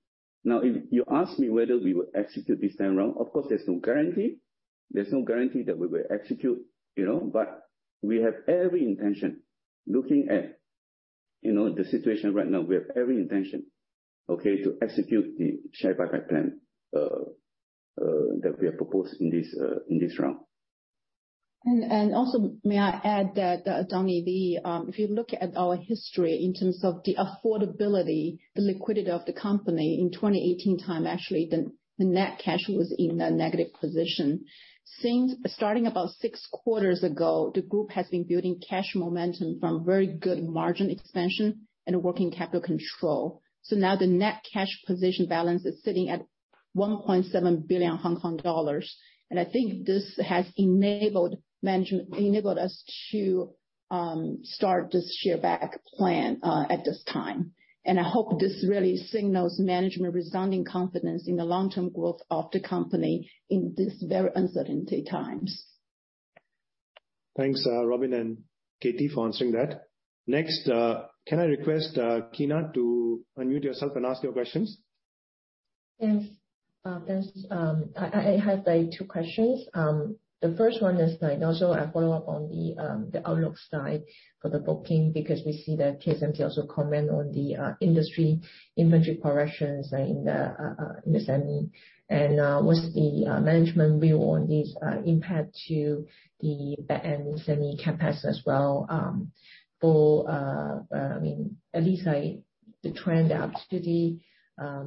Now, if you ask me whether we will execute this time around, of course, there's no guarantee. There's no guarantee that we will execute, you know, but we have every intention. Looking at, you know, the situation right now, we have every intention, okay, to execute the share buyback plan that we have proposed in this round. Also may I add that, Donnie, if you look at our history in terms of the affordability, the liquidity of the company in 2018 time, actually, the net cash was in a negative position. Starting about six quarters ago, the group has been building cash momentum from very good margin expansion and working capital control. Now the net cash position balance is sitting at 1.7 billion Hong Kong dollars. I think this has enabled us to start this share back plan at this time. I hope this really signals management resounding confidence in the long-term growth of the company in this very uncertainty times. Thanks, Robin and Katie, for answering that. Next, can I request Kyna to unmute yourself and ask your questions? Yes. Thanks. I have, like, two questions. The first one is, like, also a follow-up on the outlook side for the booking because we see that ASMPT also comment on the industry inventory corrections in the semi. What's the management view on this impact to the backend semi capex as well, I mean, at least, like, the trend up to the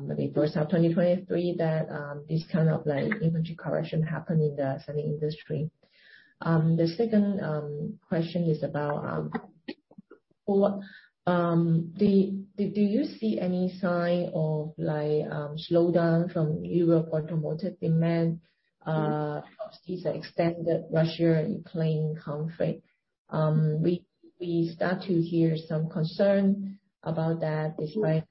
maybe first half 2023 that this kind of, like, inventory correction happened in the semi industry. The second question is about. Do you see any sign of, like, slowdown from Europe for automotive demand because extended Russia and Ukraine conflict? We start to hear some concern about that, like,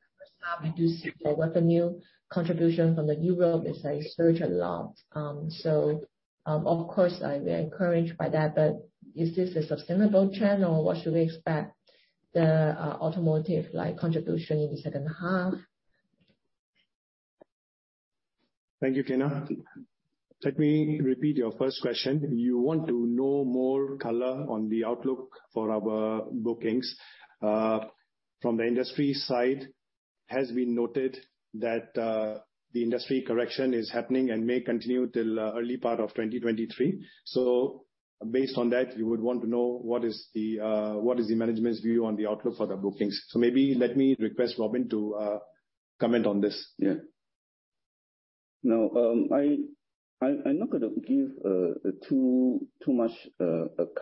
first half we do see the revenue contribution from Europe, like, surged a lot. Of course, like, we are encouraged by that, but is this a sustainable trend, or what should we expect the automotive, like, contribution in the second half? Thank you, Kyna. Let me repeat your first question. You want to know more color on the outlook for our bookings. From the industry side, has been noted that the industry correction is happening and may continue till early part of 2023. Based on that, you would want to know what is the management's view on the outlook for the bookings. Maybe let me request Robin to comment on this. Yeah. No, I'm not gonna give too much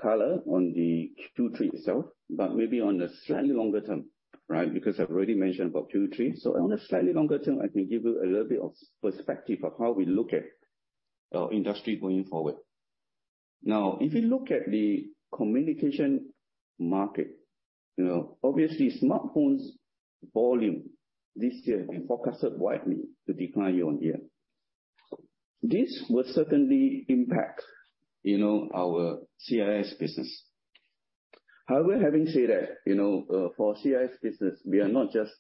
color on the Q3 itself, but maybe on a slightly longer term, right? Because I've already mentioned about Q3. On a slightly longer term, I can give you a little bit of perspective of how we look at our industry going forward. Now, if you look at the communication market, you know, obviously smartphones volume this year been forecasted widely to decline year-over-year. This will certainly impact, you know, our CIS business. However, having said that, you know, for CIS business, we are not just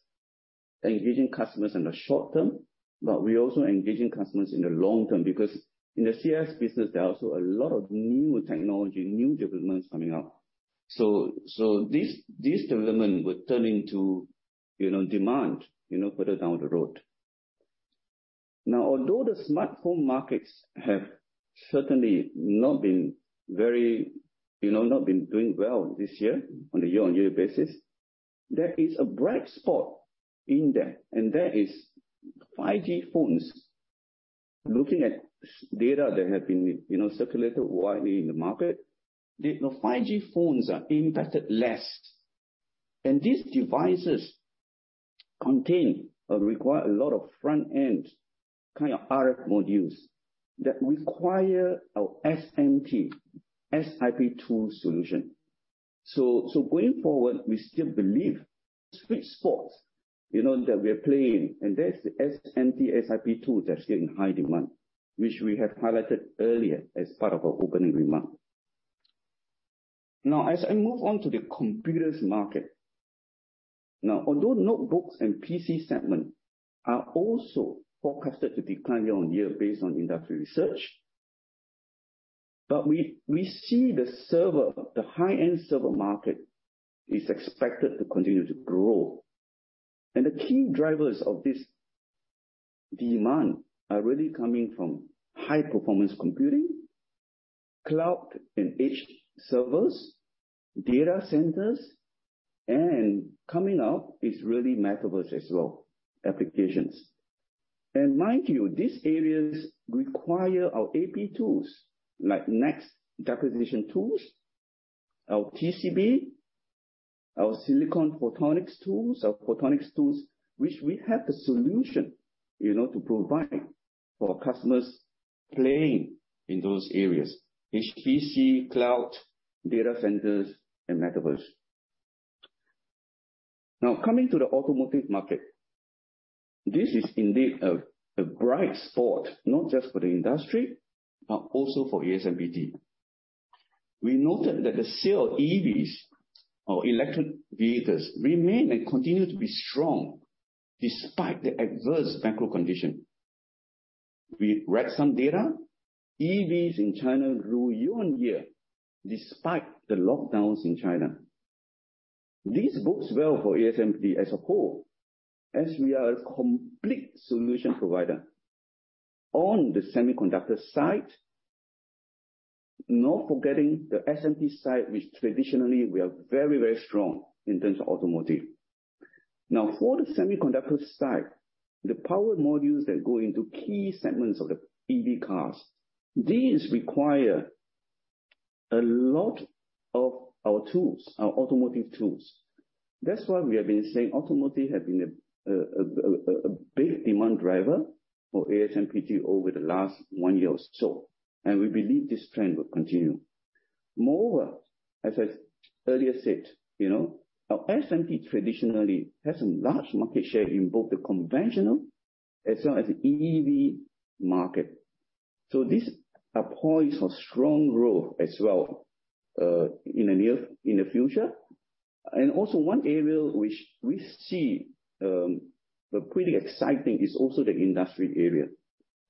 engaging customers in the short term, but we're also engaging customers in the long term because in the CIS business, there are also a lot of new technology, new developments coming up. This development will turn into, you know, demand, you know, further down the road. Although the smartphone markets have certainly not been very, you know, doing well this year on a year-on-year basis, there is a bright spot in there, and that is 5G phones. Looking at data that have been, you know, circulated widely in the market, the, you know, 5G phones are impacted less. These devices contain or require a lot of front-end kind of RF modules that require our SMT SiP tool solution. Going forward, we still believe sweet spots, you know, that we're playing, and that's the SMT SiP tools are still in high demand, which we have highlighted earlier as part of our opening remark. As I move on to the computers market. Now, although notebooks and PC segment are also forecasted to decline year-on-year based on industry research, but we see the server, the high-end server market is expected to continue to grow. The key drivers of this demand are really coming from high performance computing, cloud and edge servers, data centers, and coming up is really metaverse as well applications. Mind you, these areas require our AP tools like next deposition tools, our TCB, our silicon photonics tools, our photonics tools, which we have the solution, you know, to provide for our customers playing in those areas, HPC, cloud, data centers and metaverse. Now, coming to the automotive market. This is indeed a bright spot not just for the industry, but also for ASMPT. We noted that the sale of EVs or electric vehicles remain and continue to be strong despite the adverse macro condition. We read some data. EVs in China grew year-on-year despite the lockdowns in China. This bodes well for ASMPT as a whole, as we are a complete solution provider on the semiconductor side, not forgetting the SMT side, which traditionally we are very, very strong in terms of automotive. Now, for the semiconductor side, the power modules that go into key segments of the EV cars, these require a lot of our tools, our automotive tools. That's why we have been saying automotive have been a big demand driver for ASMPT over the last one year or so, and we believe this trend will continue. Moreover, as I earlier said, you know, our SMT traditionally has a large market share in both the conventional as well as the EV market. This points to strong growth as well in the near future. One area which we see, pretty exciting is also the industry area.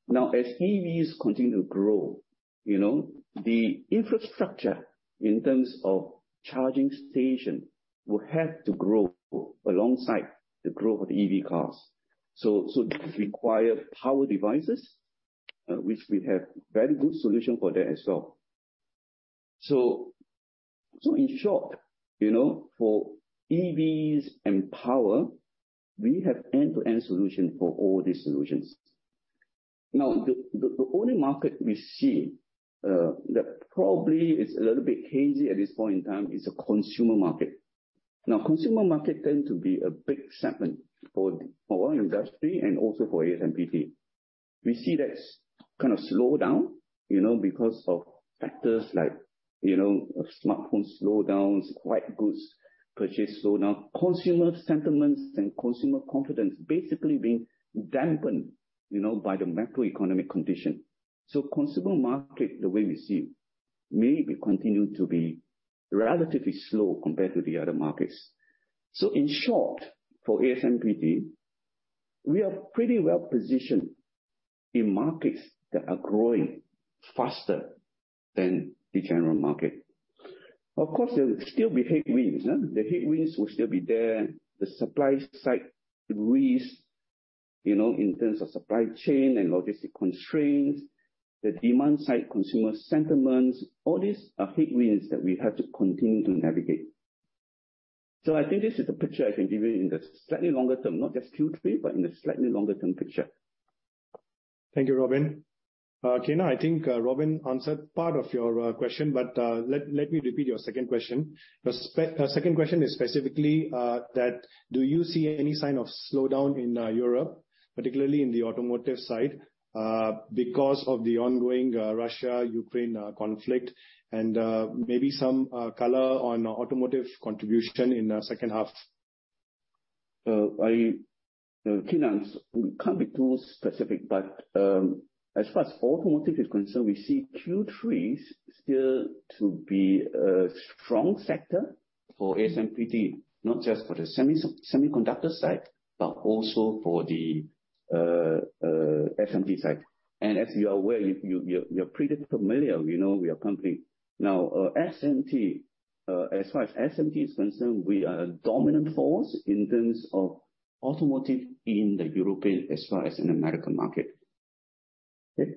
Now, as EVs continue to grow, you know, the infrastructure in terms of charging station will have to grow alongside the growth of EV cars. So, this require power devices, which we have very good solution for that as well. So, in short, you know, for EVs and power, we have end-to-end solution for all these solutions. Now, the only market we see, that probably is a little bit hazy at this point in time is the consumer market. Now, consumer market tend to be a big segment for our industry and also for ASMPT. We see that's kinda slow down, you know, because of factors like, you know, smartphone slowdowns, white goods purchase slowdown, consumer sentiments and consumer confidence basically being dampened, you know, by the macroeconomic condition. Consumer market, the way we see maybe continue to be relatively slow compared to the other markets. In short, for ASMPT, we are pretty well positioned in markets that are growing faster than the general market. Of course, there will still be headwinds. The headwinds will still be there. The supply side risk, you know, in terms of supply chain and logistics constraints, the demand side, consumer sentiments, all these are headwinds that we have to continue to navigate. I think this is the picture I can give you in the slightly longer term, not just Q3, but in a slightly longer term picture. Thank you, Robin. Kyna, I think Robin answered part of your question, but let me repeat your second question. The second question is specifically that do you see any sign of slowdown in Europe, particularly in the automotive side, because of the ongoing Russia-Ukraine conflict? Maybe some color on automotive contribution in the second half. I, Kyna, we can't be too specific, but, as far as automotive is concerned, we see Q3 still to be a strong sector for ASMPT, not just for the semiconductor side, but also for the SMT side. As you are aware, you're pretty familiar, you know our company. Now, SMT, as far as SMT is concerned, we are a dominant force in terms of automotive in the European, as well as in the American market. Okay.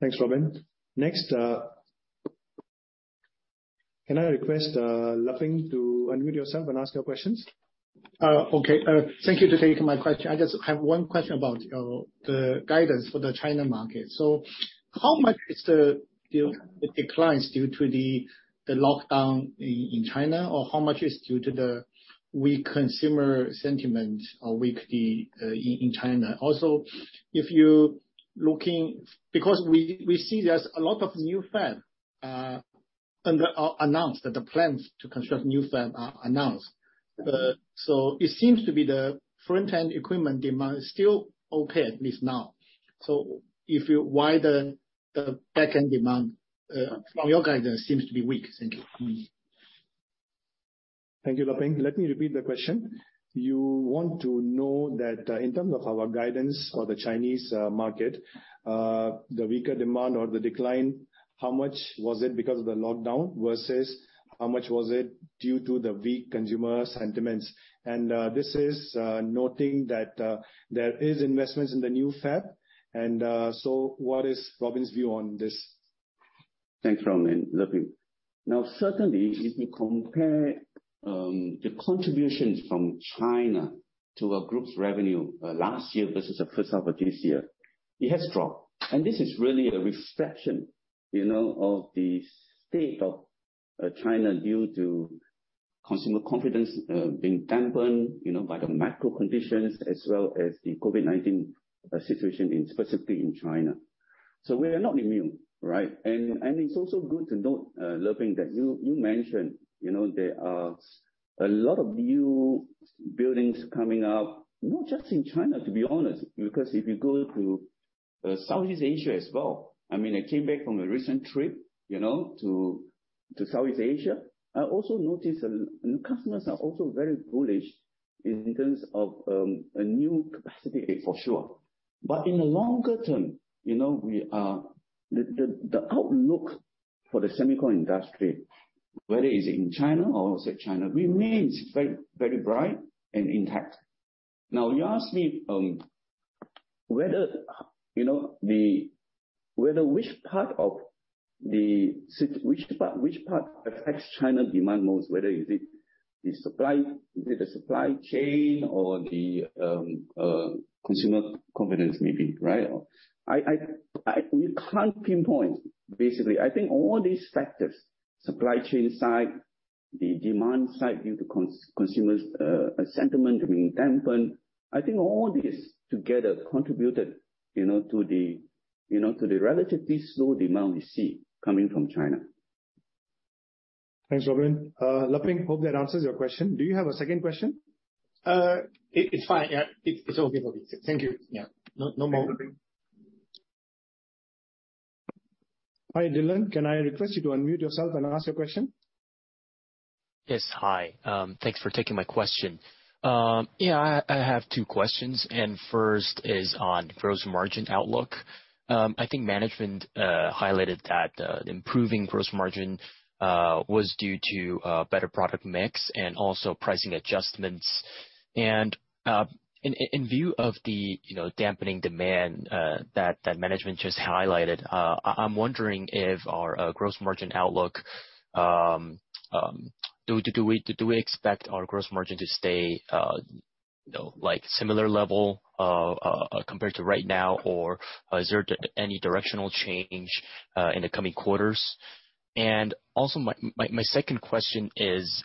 Thanks, Robin. Next, can I request Laping to unmute yourself and ask your questions? Okay. Thank you to take my question. I just have one question about the guidance for the China market. How much is the declines due to the lockdown in China? Or how much is due to the weak consumer sentiment or weak in China? Also, if you looking. Because we see there's a lot of new fab announced, that the plans to construct new fab are announced. It seems to be the front-end equipment demand is still okay, at least now. Why the back-end demand from your guidance seems to be weak? Thank you. Thank you, Laping. Let me repeat the question. You want to know that, in terms of our guidance for the Chinese market, the weaker demand or the decline, how much was it because of the lockdown versus how much was it due to the weak consumer sentiments? This is, noting that, there is investments in the new fab. What is Robin's view on this? Thanks, Romil. Now, certainly, if you compare the contributions from China to our group's revenue last year versus the first half of this year, it has dropped. This is really a reflection, you know, of the state of China due to consumer confidence being dampened, you know, by the macro conditions as well as the COVID-19 situation in specifically in China. We are not immune, right? It's also good to note, Laping, that you mentioned, you know, there are a lot of new buildings coming up, not just in China, to be honest, because if you go to Southeast Asia as well. I mean, I came back from a recent trip, you know, to Southeast Asia. I also noticed that new customers are also very bullish in terms of a new capacity for sure. In the longer term, the outlook for the semiconductor industry, whether it's in China or outside China, remains very, very bright and intact. Now, you asked me whether which part affects China demand most, whether it is the supply, is it the supply chain or the consumer confidence maybe, right? We can't pinpoint, basically. I think all these factors, supply chain side, the demand side, due to consumer's sentiment being dampened, I think all this together contributed, you know, to the relatively slow demand we see coming from China. Thanks, Robin. Laping, hope that answers your question. Do you have a second question? It's fine. Yeah. It's okay for me. Thank you. Yeah. No more. Hi, Dylan. Can I request you to unmute yourself and ask your question? Yes. Hi. Thanks for taking my question. Yeah, I have two questions, and first is on gross margin outlook. I think management highlighted that the improving gross margin was due to better product mix and also pricing adjustments. In view of the, you know, dampening demand that management just highlighted, I'm wondering if our gross margin outlook. Do we expect our gross margin to stay, you know, like similar level compared to right now? Or is there any directional change in the coming quarters? Also, my second question is,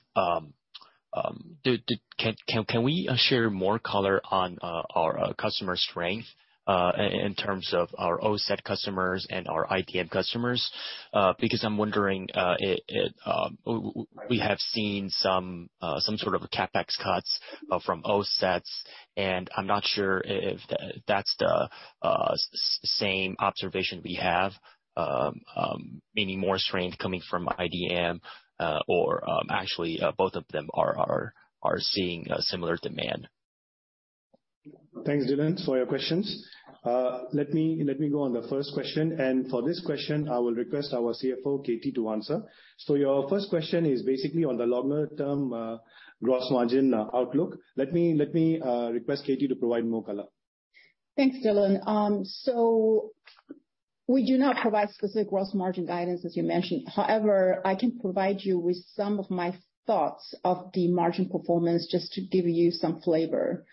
can we share more color on our customer strength in terms of our OSAT customers and our IDM customers? Because I'm wondering, we have seen some sort of CapEx cuts from OSATs, and I'm not sure if that's the same observation we have, meaning more strength coming from IDM, or actually, both of them are seeing similar demand. Thanks, Dylan, for your questions. Let me go on the first question. For this question, I will request our CFO, Katie, to answer. Your first question is basically on the longer-term gross margin outlook. Let me request Katie to provide more color. Thanks, Dylan. We do not provide specific gross margin guidance, as you mentioned. However, I can provide you with some of my thoughts of the margin performance just to give you some flavor.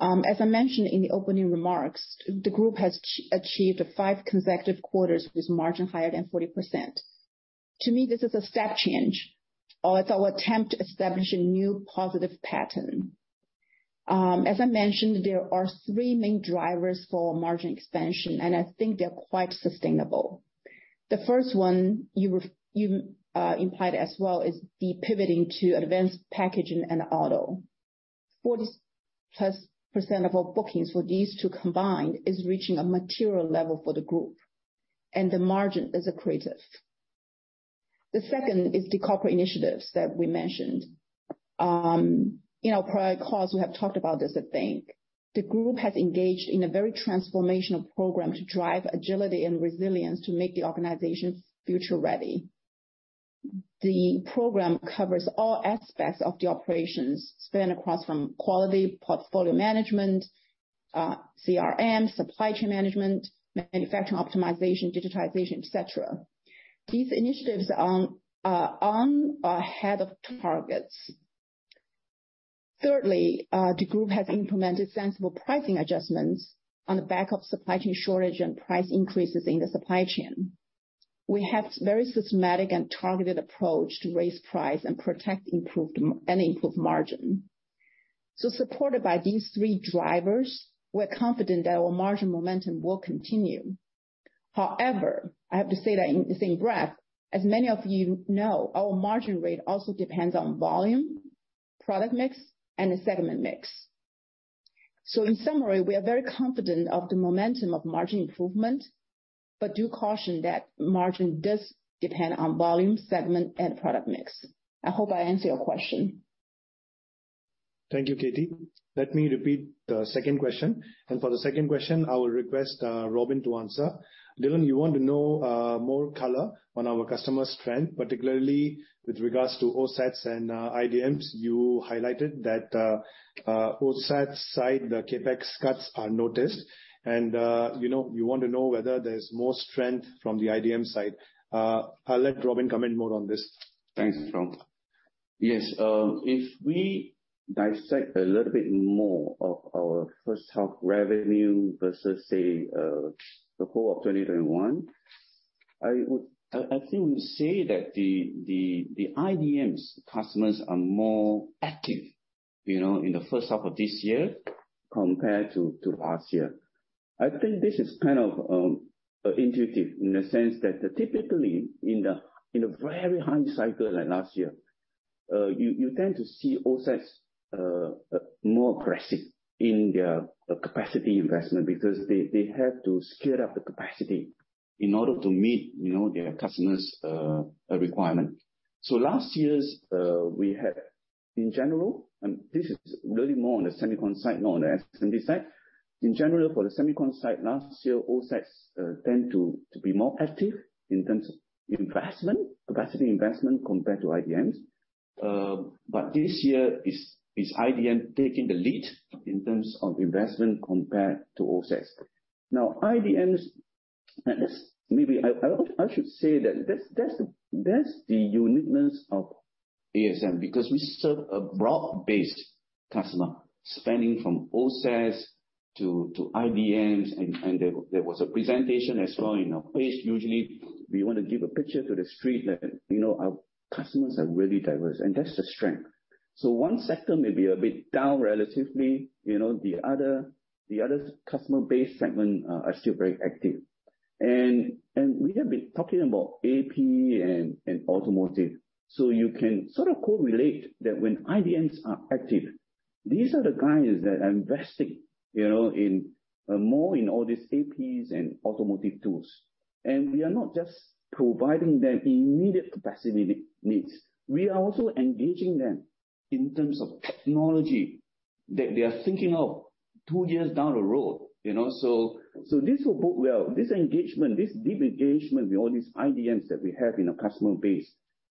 As I mentioned in the opening remarks, the group has achieved five consecutive quarters with margin higher than 40%. To me, this is a step change, or it's our attempt to establish a new positive pattern. As I mentioned, there are three main drivers for margin expansion, and I think they're quite sustainable. The first one, you implied as well, is the pivoting to advanced packaging and auto. 40%+ of our bookings for these two combined is reaching a material level for the group, and the margin is accretive. The second is the corporate initiatives that we mentioned. In our prior calls we have talked about this, I think. The group has engaged in a very transformational program to drive agility and resilience to make the organization future-ready. The program covers all aspects of the operations, spanning across from quality, portfolio management, CRM, supply chain management, manufacturing optimization, digitization, et cetera. These initiatives are on ahead of targets. Thirdly, the group has implemented sensible pricing adjustments on the back of supply chain shortage and price increases in the supply chain. We have very systematic and targeted approach to raise price and protect and improve margin. Supported by these three drivers, we're confident that our margin momentum will continue. However, I have to say that in the same breath, as many of you know, our margin rate also depends on volume, product mix, and the segment mix. In summary, we are very confident of the momentum of margin improvement, but do caution that margin does depend on volume, segment, and product mix. I hope I answered your question. Thank you, Katie. Let me repeat the second question, for the second question, I will request Robin to answer. Dylan, you want to know more color on our customer strength, particularly with regards to OSATs and IDMs. You highlighted that OSATs side, the CapEx cuts are noted and you know, you want to know whether there's more strength from the IDM side. I'll let Robin comment more on this. Thanks. Yes. If we dissect a little bit more of our first half revenue versus, say, the whole of 2021, I think we say that the IDMs customers are more active, you know, in the first half of this year compared to last year. I think this is kind of intuitive in the sense that typically in a very high cycle like last year, you tend to see OSATs more aggressive in their capacity investment because they have to scale up the capacity in order to meet, you know, their customers' requirement. Last year we had in general, and this is really more on the semicon side, not on the SMT side. In general, for the semicon side, last year, OSATs tend to be more active in terms of investment, capacity investment compared to IDMs. This year, IDMs are taking the lead in terms of investment compared to OSATs. Now, IDMs, that's maybe I should say that that's the uniqueness of ASM, because we serve a broad-based customer, spanning from OSATs to IDMs, and there was a presentation as well in our page. Usually, we wanna give a picture to the street that, you know, our customers are really diverse, and that's the strength. So one sector may be a bit down relatively. You know, the other customer base segment are still very active. We have been talking about AP and automotive. You can sort of correlate that when IDMs are active, these are the guys that are investing, you know, in more in all these APs and automotive tools. We are not just providing them immediate capacity needs. We are also engaging them in terms of technology that they are thinking of two years down the road, you know. This will bode well. This engagement, this deep engagement with all these IDMs that we have in our customer base,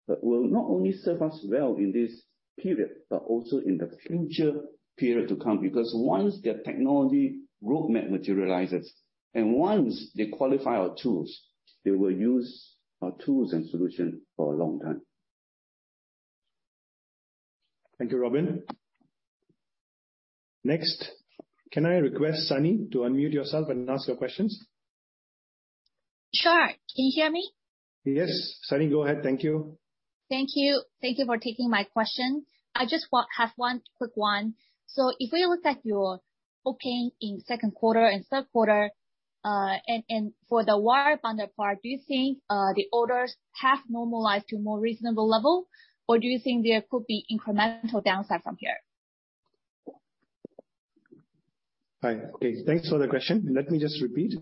that will not only serve us well in this period, but also in the future period to come. Because once their technology roadmap materializes, and once they qualify our tools, they will use our tools and solution for a long time. Thank you, Robin. Next, can I request Sunny to unmute yourself and ask your questions? Sure. Can you hear me? Yes. Sunny, go ahead. Thank you. Thank you. Thank you for taking my question. I just have one quick one. If we look at your bookings in second quarter and third quarter, and for the wire bonder part, do you think the orders have normalized to a more reasonable level? Or do you think there could be incremental downside from here? Right. Okay, thanks for the question. Let me just repeat.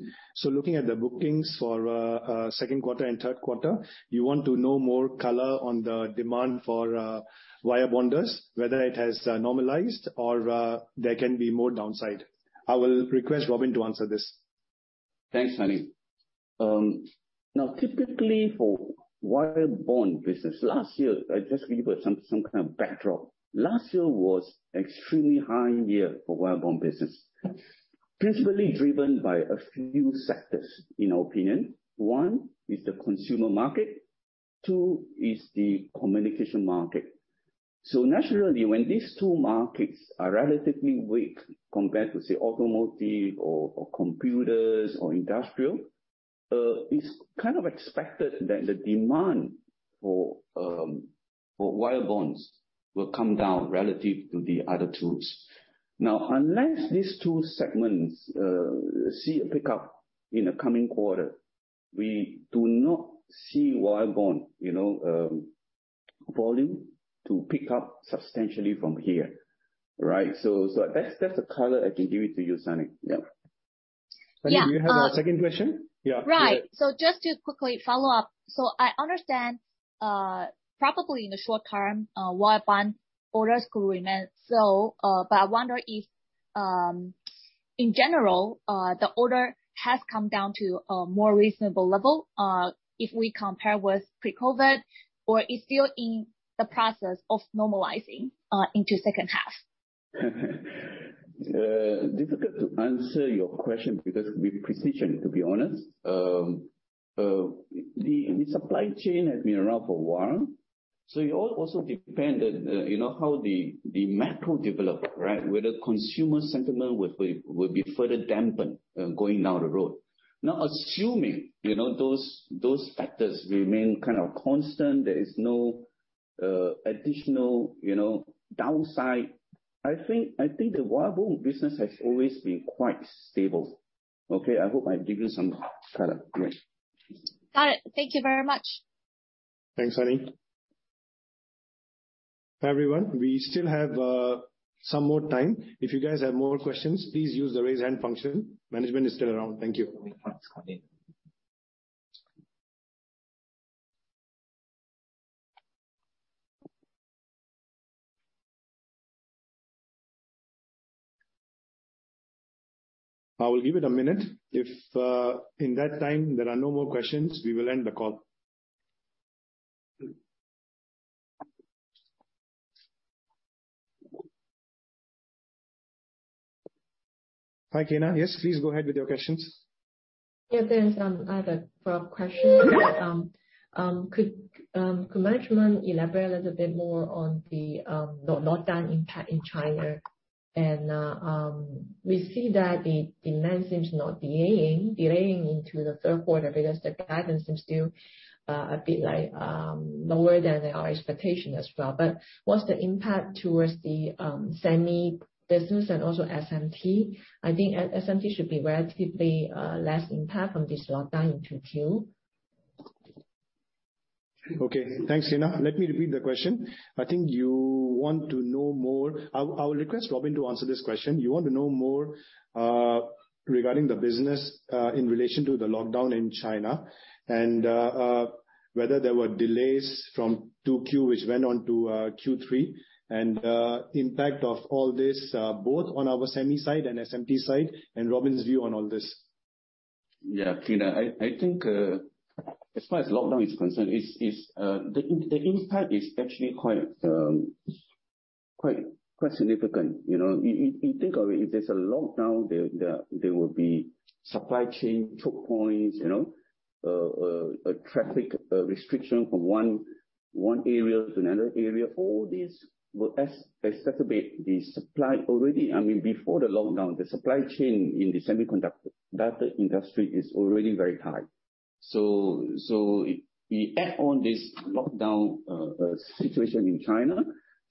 Looking at the bookings for second quarter and third quarter, you want to know more color on the demand for wire bonders, whether it has normalized or there can be more downside. I will request Robin to answer this. Thanks, Sunny. Now typically for wire bond business, last year, I just give you some kind of backdrop. Last year was extremely high year for wire bond business, principally driven by a few sectors, in our opinion. One is the consumer market, two is the communication market. Naturally, when these two markets are relatively weak compared to, say, automotive or computers or industrial, it's kind of expected that the demand for wire bonds will come down relative to the other tools. Now, unless these two segments see a pickup in the coming quarter, we do not see wire bond volume to pick up substantially from here. Right? So that's the color I can give it to you, Sunny. Yeah. Sunny, do you have a second question? Yeah. Right. Just to quickly follow up. I understand, probably in the short term, wire bond orders could remain slow. I wonder if, in general, the order has come down to a more reasonable level, if we compare with pre-COVID, or it's still in the process of normalizing, into second half. Difficult to answer your question because with precision, to be honest. The supply chain has been around for a while, so it also depend, you know, how the macro develop, right? Whether consumer sentiment will be further dampened going down the road. Now, assuming, you know, those factors remain kind of constant, there is no additional, you know, downside, I think the wire bond business has always been quite stable. Okay. I hope I've given some color. Yes. Got it. Thank you very much. Thanks, Sunny. Everyone, we still have some more time. If you guys have more questions, please use the Raise Hand function. Management is still around. Thank you. Thanks, Sunny. I will give it a minute. If in that time there are no more questions, we will end the call. Hi, Kyna. Yes, please go ahead with your questions. Yeah, I have a follow-up question. Could management elaborate a little bit more on the lockdown impact in China? We see that the demand seems to be delaying into the third quarter because the guidance seems to be a bit lower than our expectation as well. What's the impact toward the semi business and also SMT? I think SMT should be relatively less impact from this lockdown in Q2. Okay, thanks, Kyna. Let me repeat the question. I think you want to know more. I will request Robin to answer this question. You want to know more regarding the business in relation to the lockdown in China, and whether there were delays from 2Q which went on to Q3, and impact of all this both on our semi side and SMT side, and Robin's view on all this. Yeah, Kyna. I think as far as lockdown is concerned, it's the impact is actually quite significant. You know, if you think of it, if there's a lockdown there will be supply chain choke points, you know. A traffic restriction from one area to another area. All these will exacerbate the supply already. I mean, before the lockdown, the supply chain in the semiconductor data industry is already very tight. We add on this lockdown situation in China.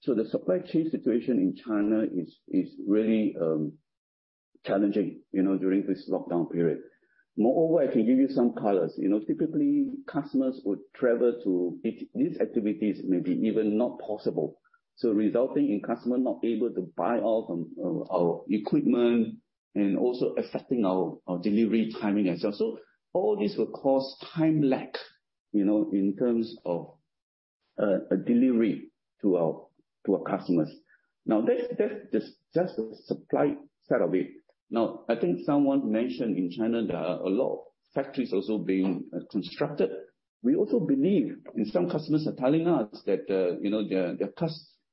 The supply chain situation in China is really challenging, you know, during this lockdown period. Moreover, I can give you some color. You know, typically customers would travel to each... These activities may be even not possible, so resulting in customer not able to buy all of our equipment and also affecting our delivery timing itself. All this will cause time lag, you know, in terms of a delivery to our customers. Now, that's just the supply side of it. Now, I think someone mentioned in China there are a lot of factories also being constructed. We also believe, and some customers are telling us that, you know,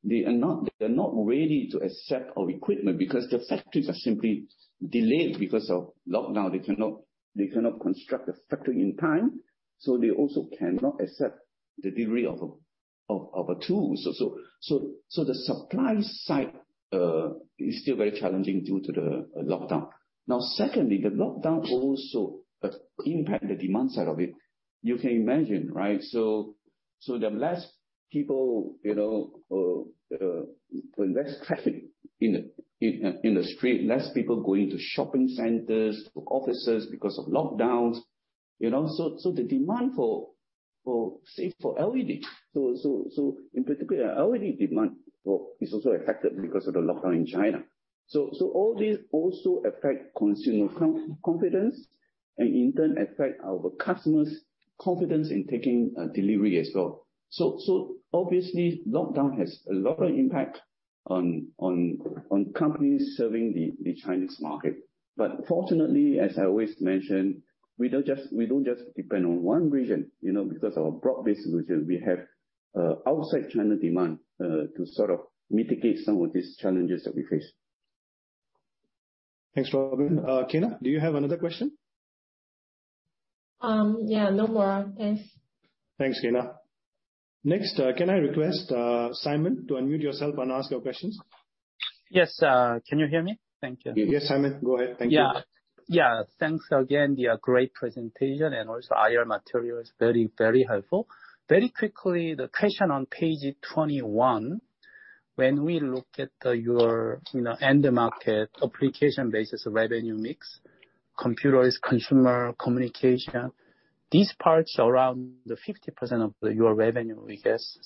they are not ready to accept our equipment because the factories are simply delayed because of lockdown. They cannot construct the factory in time, so they also cannot accept the delivery of a tool. The supply side is still very challenging due to the lockdown. Now, secondly, the lockdown also impacts the demand side of it. You can imagine, right? The less people, you know, the less traffic in the street, less people going to shopping centers, to offices because of lockdowns, you know. The demand for, say, LED. In particular, LED demand is also affected because of the lockdown in China. All these also affect consumer confidence, and in turn affect our customers' confidence in taking delivery as well. Obviously, lockdown has a lot of impact on companies serving the Chinese market. Fortunately, as I always mention, we don't just depend on one region, you know, because our broad-based solution, we have outside China demand to sort of mitigate some of these challenges that we face. Thanks, Robin. Kyna, do you have another question? Yeah, no more. Thanks. Thanks, Kyna. Next, can I request Simon to unmute yourself and ask your questions? Yes. Can you hear me? Thank you. Yes, Simon, go ahead. Thank you. Yeah. Thanks again. The great presentation and also IR material is very, very helpful. Very quickly, the question on page 21, when we look at your end market application basis revenue mix, computers, consumer, communication, these parts around the 50% of your revenue, I guess.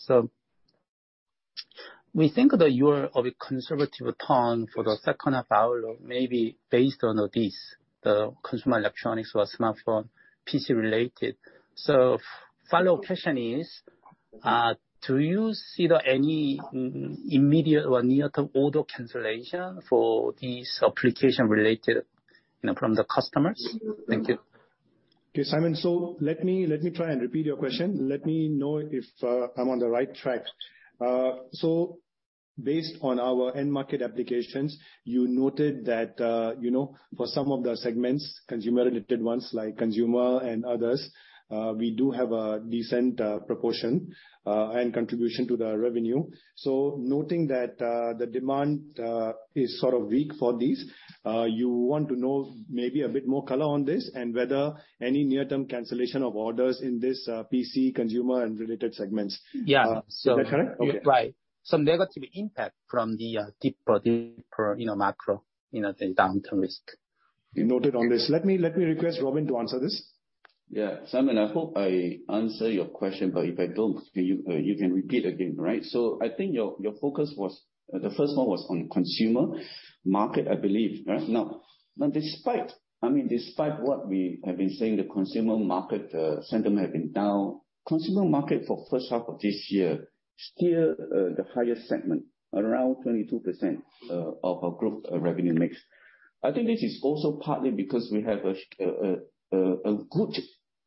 We think that you have a conservative tone for the second half, or maybe based on the consumer electronics, smartphone, PC related. The follow-up question is, do you see any immediate or near-term order cancellation for these applications related, you know, from the customers? Thank you. Okay, Simon. Let me try and repeat your question. Let me know if I'm on the right track. Based on our end market applications, you noted that you know, for some of the segments, consumer-related ones like consumer and others, we do have a decent proportion and contribution to the revenue. Noting that, the demand is sort of weak for these, you want to know maybe a bit more color on this and whether any near-term cancellation of orders in this PC, consumer and related segments. Yeah. Is that correct? Okay. Right. Some negative impact from the deeper, you know, macro, you know, the downturn risk. Noted on this. Let me request Robin to answer this. Yeah. Simon, I hope I answer your question, but if I don't, you can repeat again, right? I think your focus was the first one was on consumer market, I believe. Right? Now, despite, I mean, despite what we have been saying, the consumer market sentiment have been down. Consumer market for first half of this year still the highest segment, around 22% of our group revenue mix. I think this is also partly because we have a good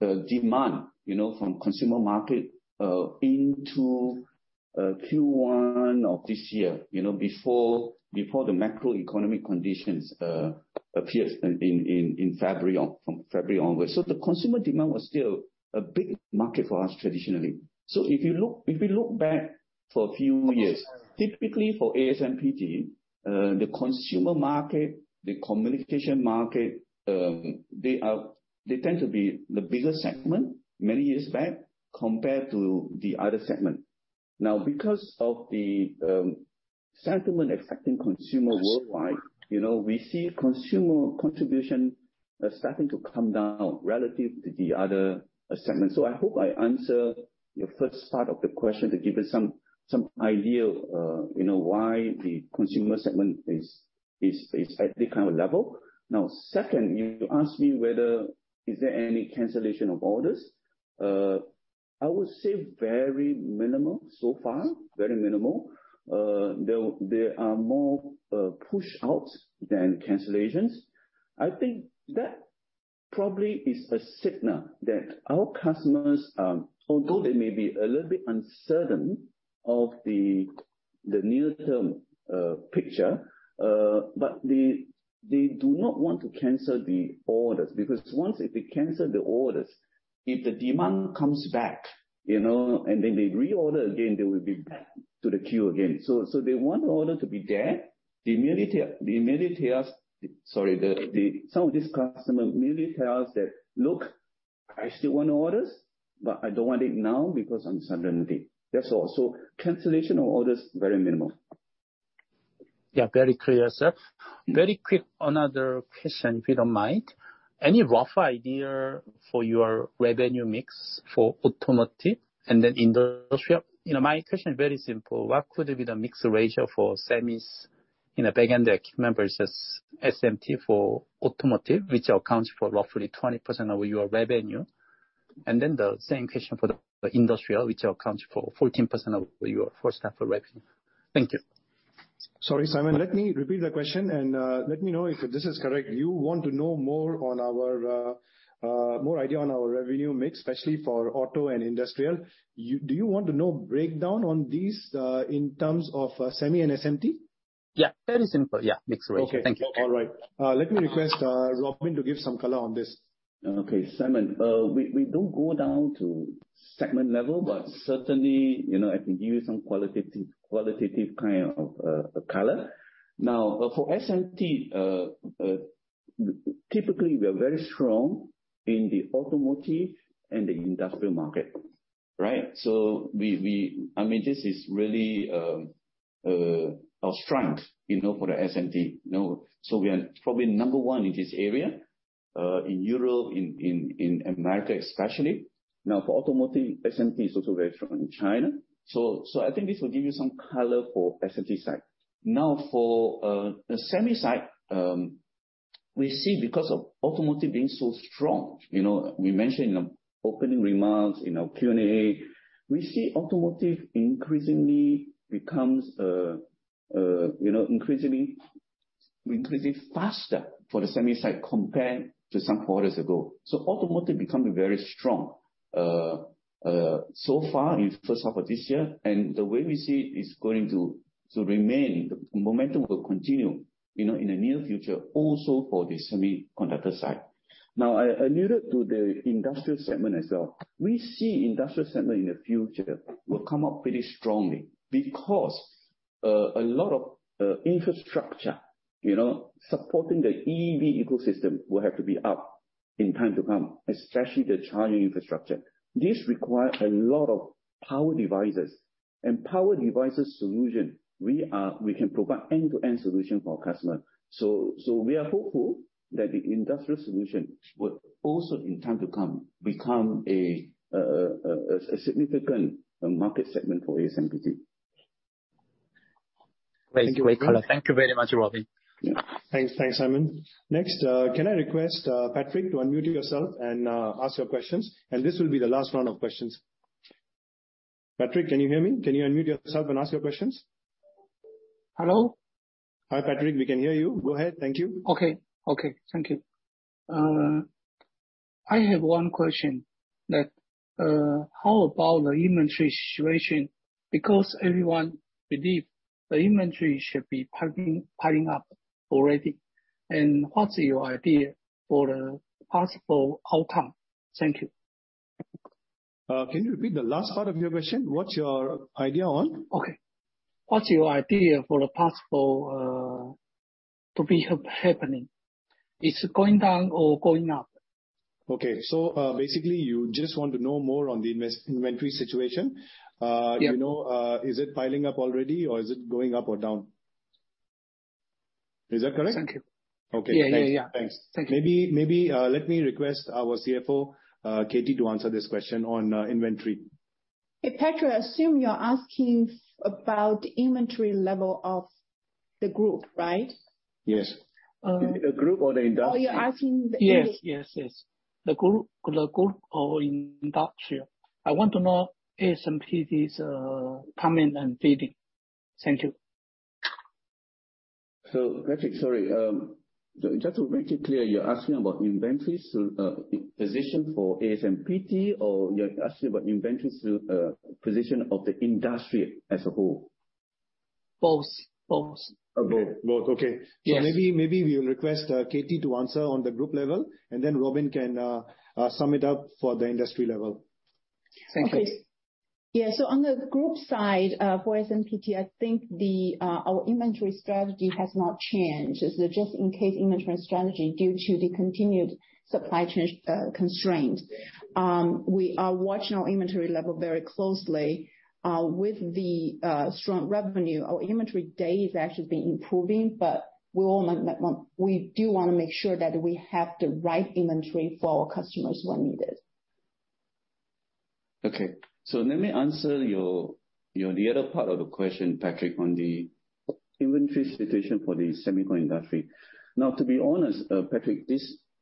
demand, you know, from consumer market into Q1 of this year, you know, before the macroeconomic conditions appeared in February or from February onwards. The consumer demand was still a big market for us traditionally. If we look back for a few years, typically for ASMPT, the consumer market, the communication market, they tend to be the biggest segment many years back compared to the other segment. Now, because of the sentiment affecting consumer worldwide, you know, we see consumer contribution starting to come down relative to the other segments. I hope I answer your first part of the question to give you some idea of, you know, why the consumer segment is at the current level. Now, second, you ask me whether is there any cancellation of orders. I would say very minimal so far. Very minimal. There are more push-outs than cancellations. I think that probably is a signal that our customers are... Although they may be a little bit uncertain of the near-term picture, but they do not want to cancel the orders, because once if they cancel the orders, if the demand comes back, you know, and then they reorder again, they will be back to the queue again. So they want the order to be there. Some of these customers merely tell us that, "Look, I still want orders, but I don't want it now because uncertainty." That's all. So cancellation of orders, very minimal. Yeah, very clear, sir. Mm-hmm. Very quick, another question if you don't mind. Any rough idea for your revenue mix for automotive and then industrial? You know, my question very simple. What could be the mixed ratio for semis in the back-end equipment versus SMT for automotive, which accounts for roughly 20% of your revenue? Then the same question for the industrial, which accounts for 14% of your first half of revenue. Thank you. Sorry, Simon. Let me repeat the question, and let me know if this is correct. You want to know more on our revenue mix, especially for auto and industrial. Do you want to know breakdown on these in terms of semi and SMT? Yeah. Very simple. Yeah. Mix ratio. Thank you. Okay. All right. Let me request Robin to give some color on this. Okay, Simon. We don't go down to segment level, but certainly, you know, I can give you some qualitative kind of color. Now, for SMT, typically, we are very strong in the automotive and the industrial market, right? So, I mean, this is really our strength, you know, for the SMT. You know? So we are probably number one in this area in Europe, in America especially. Now, for automotive, SMT is also very strong in China. So I think this will give you some color for SMT side. Now, for the semi side, we see because of automotive being so strong, you know, we mentioned in the opening remarks, in our Q&A, we see automotive increasingly becomes you know, increasingly faster for the semi side compared to some quarters ago. Automotive becoming very strong so far in first half of this year, and the way we see it's going to remain. The momentum will continue, you know, in the near future also for the semiconductor side. Now, I alluded to the industrial segment as well. We see industrial segment in the future will come up pretty strongly because a lot of infrastructure, you know, supporting the EV ecosystem will have to be up in time to come, especially the charging infrastructure. This requires a lot of power devices. Power devices solution, we can provide end-to-end solution for our customer. We are hopeful that the industrial solution will also, in time to come, become a significant market segment for ASMPT. Great. Great color. Thank you very much, Robin. Thanks. Thanks, Simon. Next, can I request Patrick to unmute yourself and ask your questions? This will be the last round of questions. Patrick, can you hear me? Can you unmute yourself and ask your questions? Hello? Hi, Patrick. We can hear you. Go ahead. Thank you. Okay. Thank you. I have one question that, how about the inventory situation? Because everyone believe the inventory should be piling up already. What's your idea for the possible outcome? Thank you. Can you repeat the last part of your question? What's your idea on? Okay. What's your idea for the possible, to be happening? It's going down or going up? Okay. Basically, you just want to know more on the inventory situation. Yeah. You know, is it piling up already, or is it going up or down? Is that correct? Thank you. Okay. Yeah. Yeah. Yeah. Thanks. Thank you. Maybe let me request our CFO, Katie, to answer this question on inventory. Hey, Patrick, assume you're asking about the inventory level of the group, right? Yes. Um- The group or the industrial? Oh, you're asking. Yes. The group or industrial. I want to know ASMPT's comment and feeling. Thank you. Patrick, sorry, so just to make it clear, you're asking about inventory position for ASMPT, or you're asking about inventory position of the industry as a whole? Both. Both. Both. Okay. Yes. Maybe we'll request Katie to answer on the group level, and then Robin can sum it up for the industry level. Thank you. Okay. Yeah. On the group side, for ASMPT, I think our inventory strategy has not changed. It's a just in case inventory strategy due to the continued supply chain constraint. We are watching our inventory level very closely. With the strong revenue, our inventory days actually been improving, but we do wanna make sure that we have the right inventory for our customers when needed. Okay. Let me answer your the other part of the question, Patrick, on the inventory situation for the semiconductor industry. Now, to be honest, Patrick,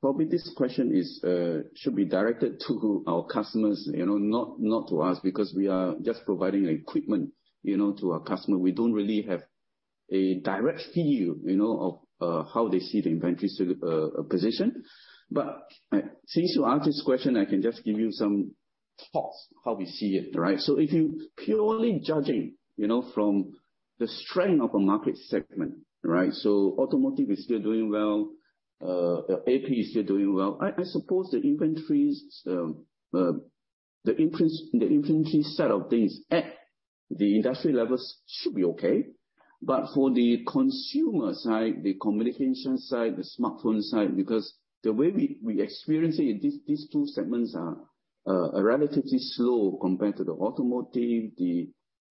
probably this question should be directed to our customers, you know, not to us, because we are just providing equipment, you know, to our customer. We don't really have a direct view, you know, of how they see the inventory position. Since you ask this question, I can just give you some thoughts, how we see it, right? If you're purely judging, you know, from the strength of a market segment, right? Automotive is still doing well. AP is still doing well. I suppose the inventory side of things at the industry level should be okay. For the consumer side, the communication side, the smartphone side, because the way we experience it, these two segments are relatively slow compared to the automotive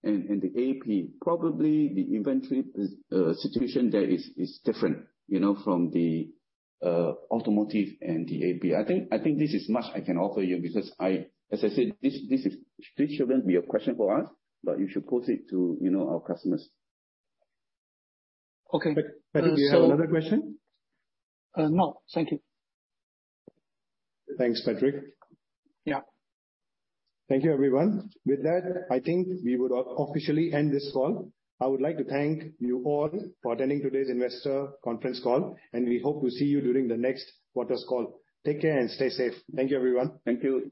and the AP. Probably the inventory situation there is different, you know, from the automotive and the AP. I think this is as much as I can offer you because, as I said, this shouldn't be a question for us, but you should pose it to, you know, our customers. Okay. Patrick, do you have another question? No. Thank you. Thanks, Patrick. Yeah. Thank you, everyone. With that, I think we would officially end this call. I would like to thank you all for attending today's investor conference call, and we hope to see you during the next quarter's call. Take care and stay safe. Thank you, everyone. Thank you.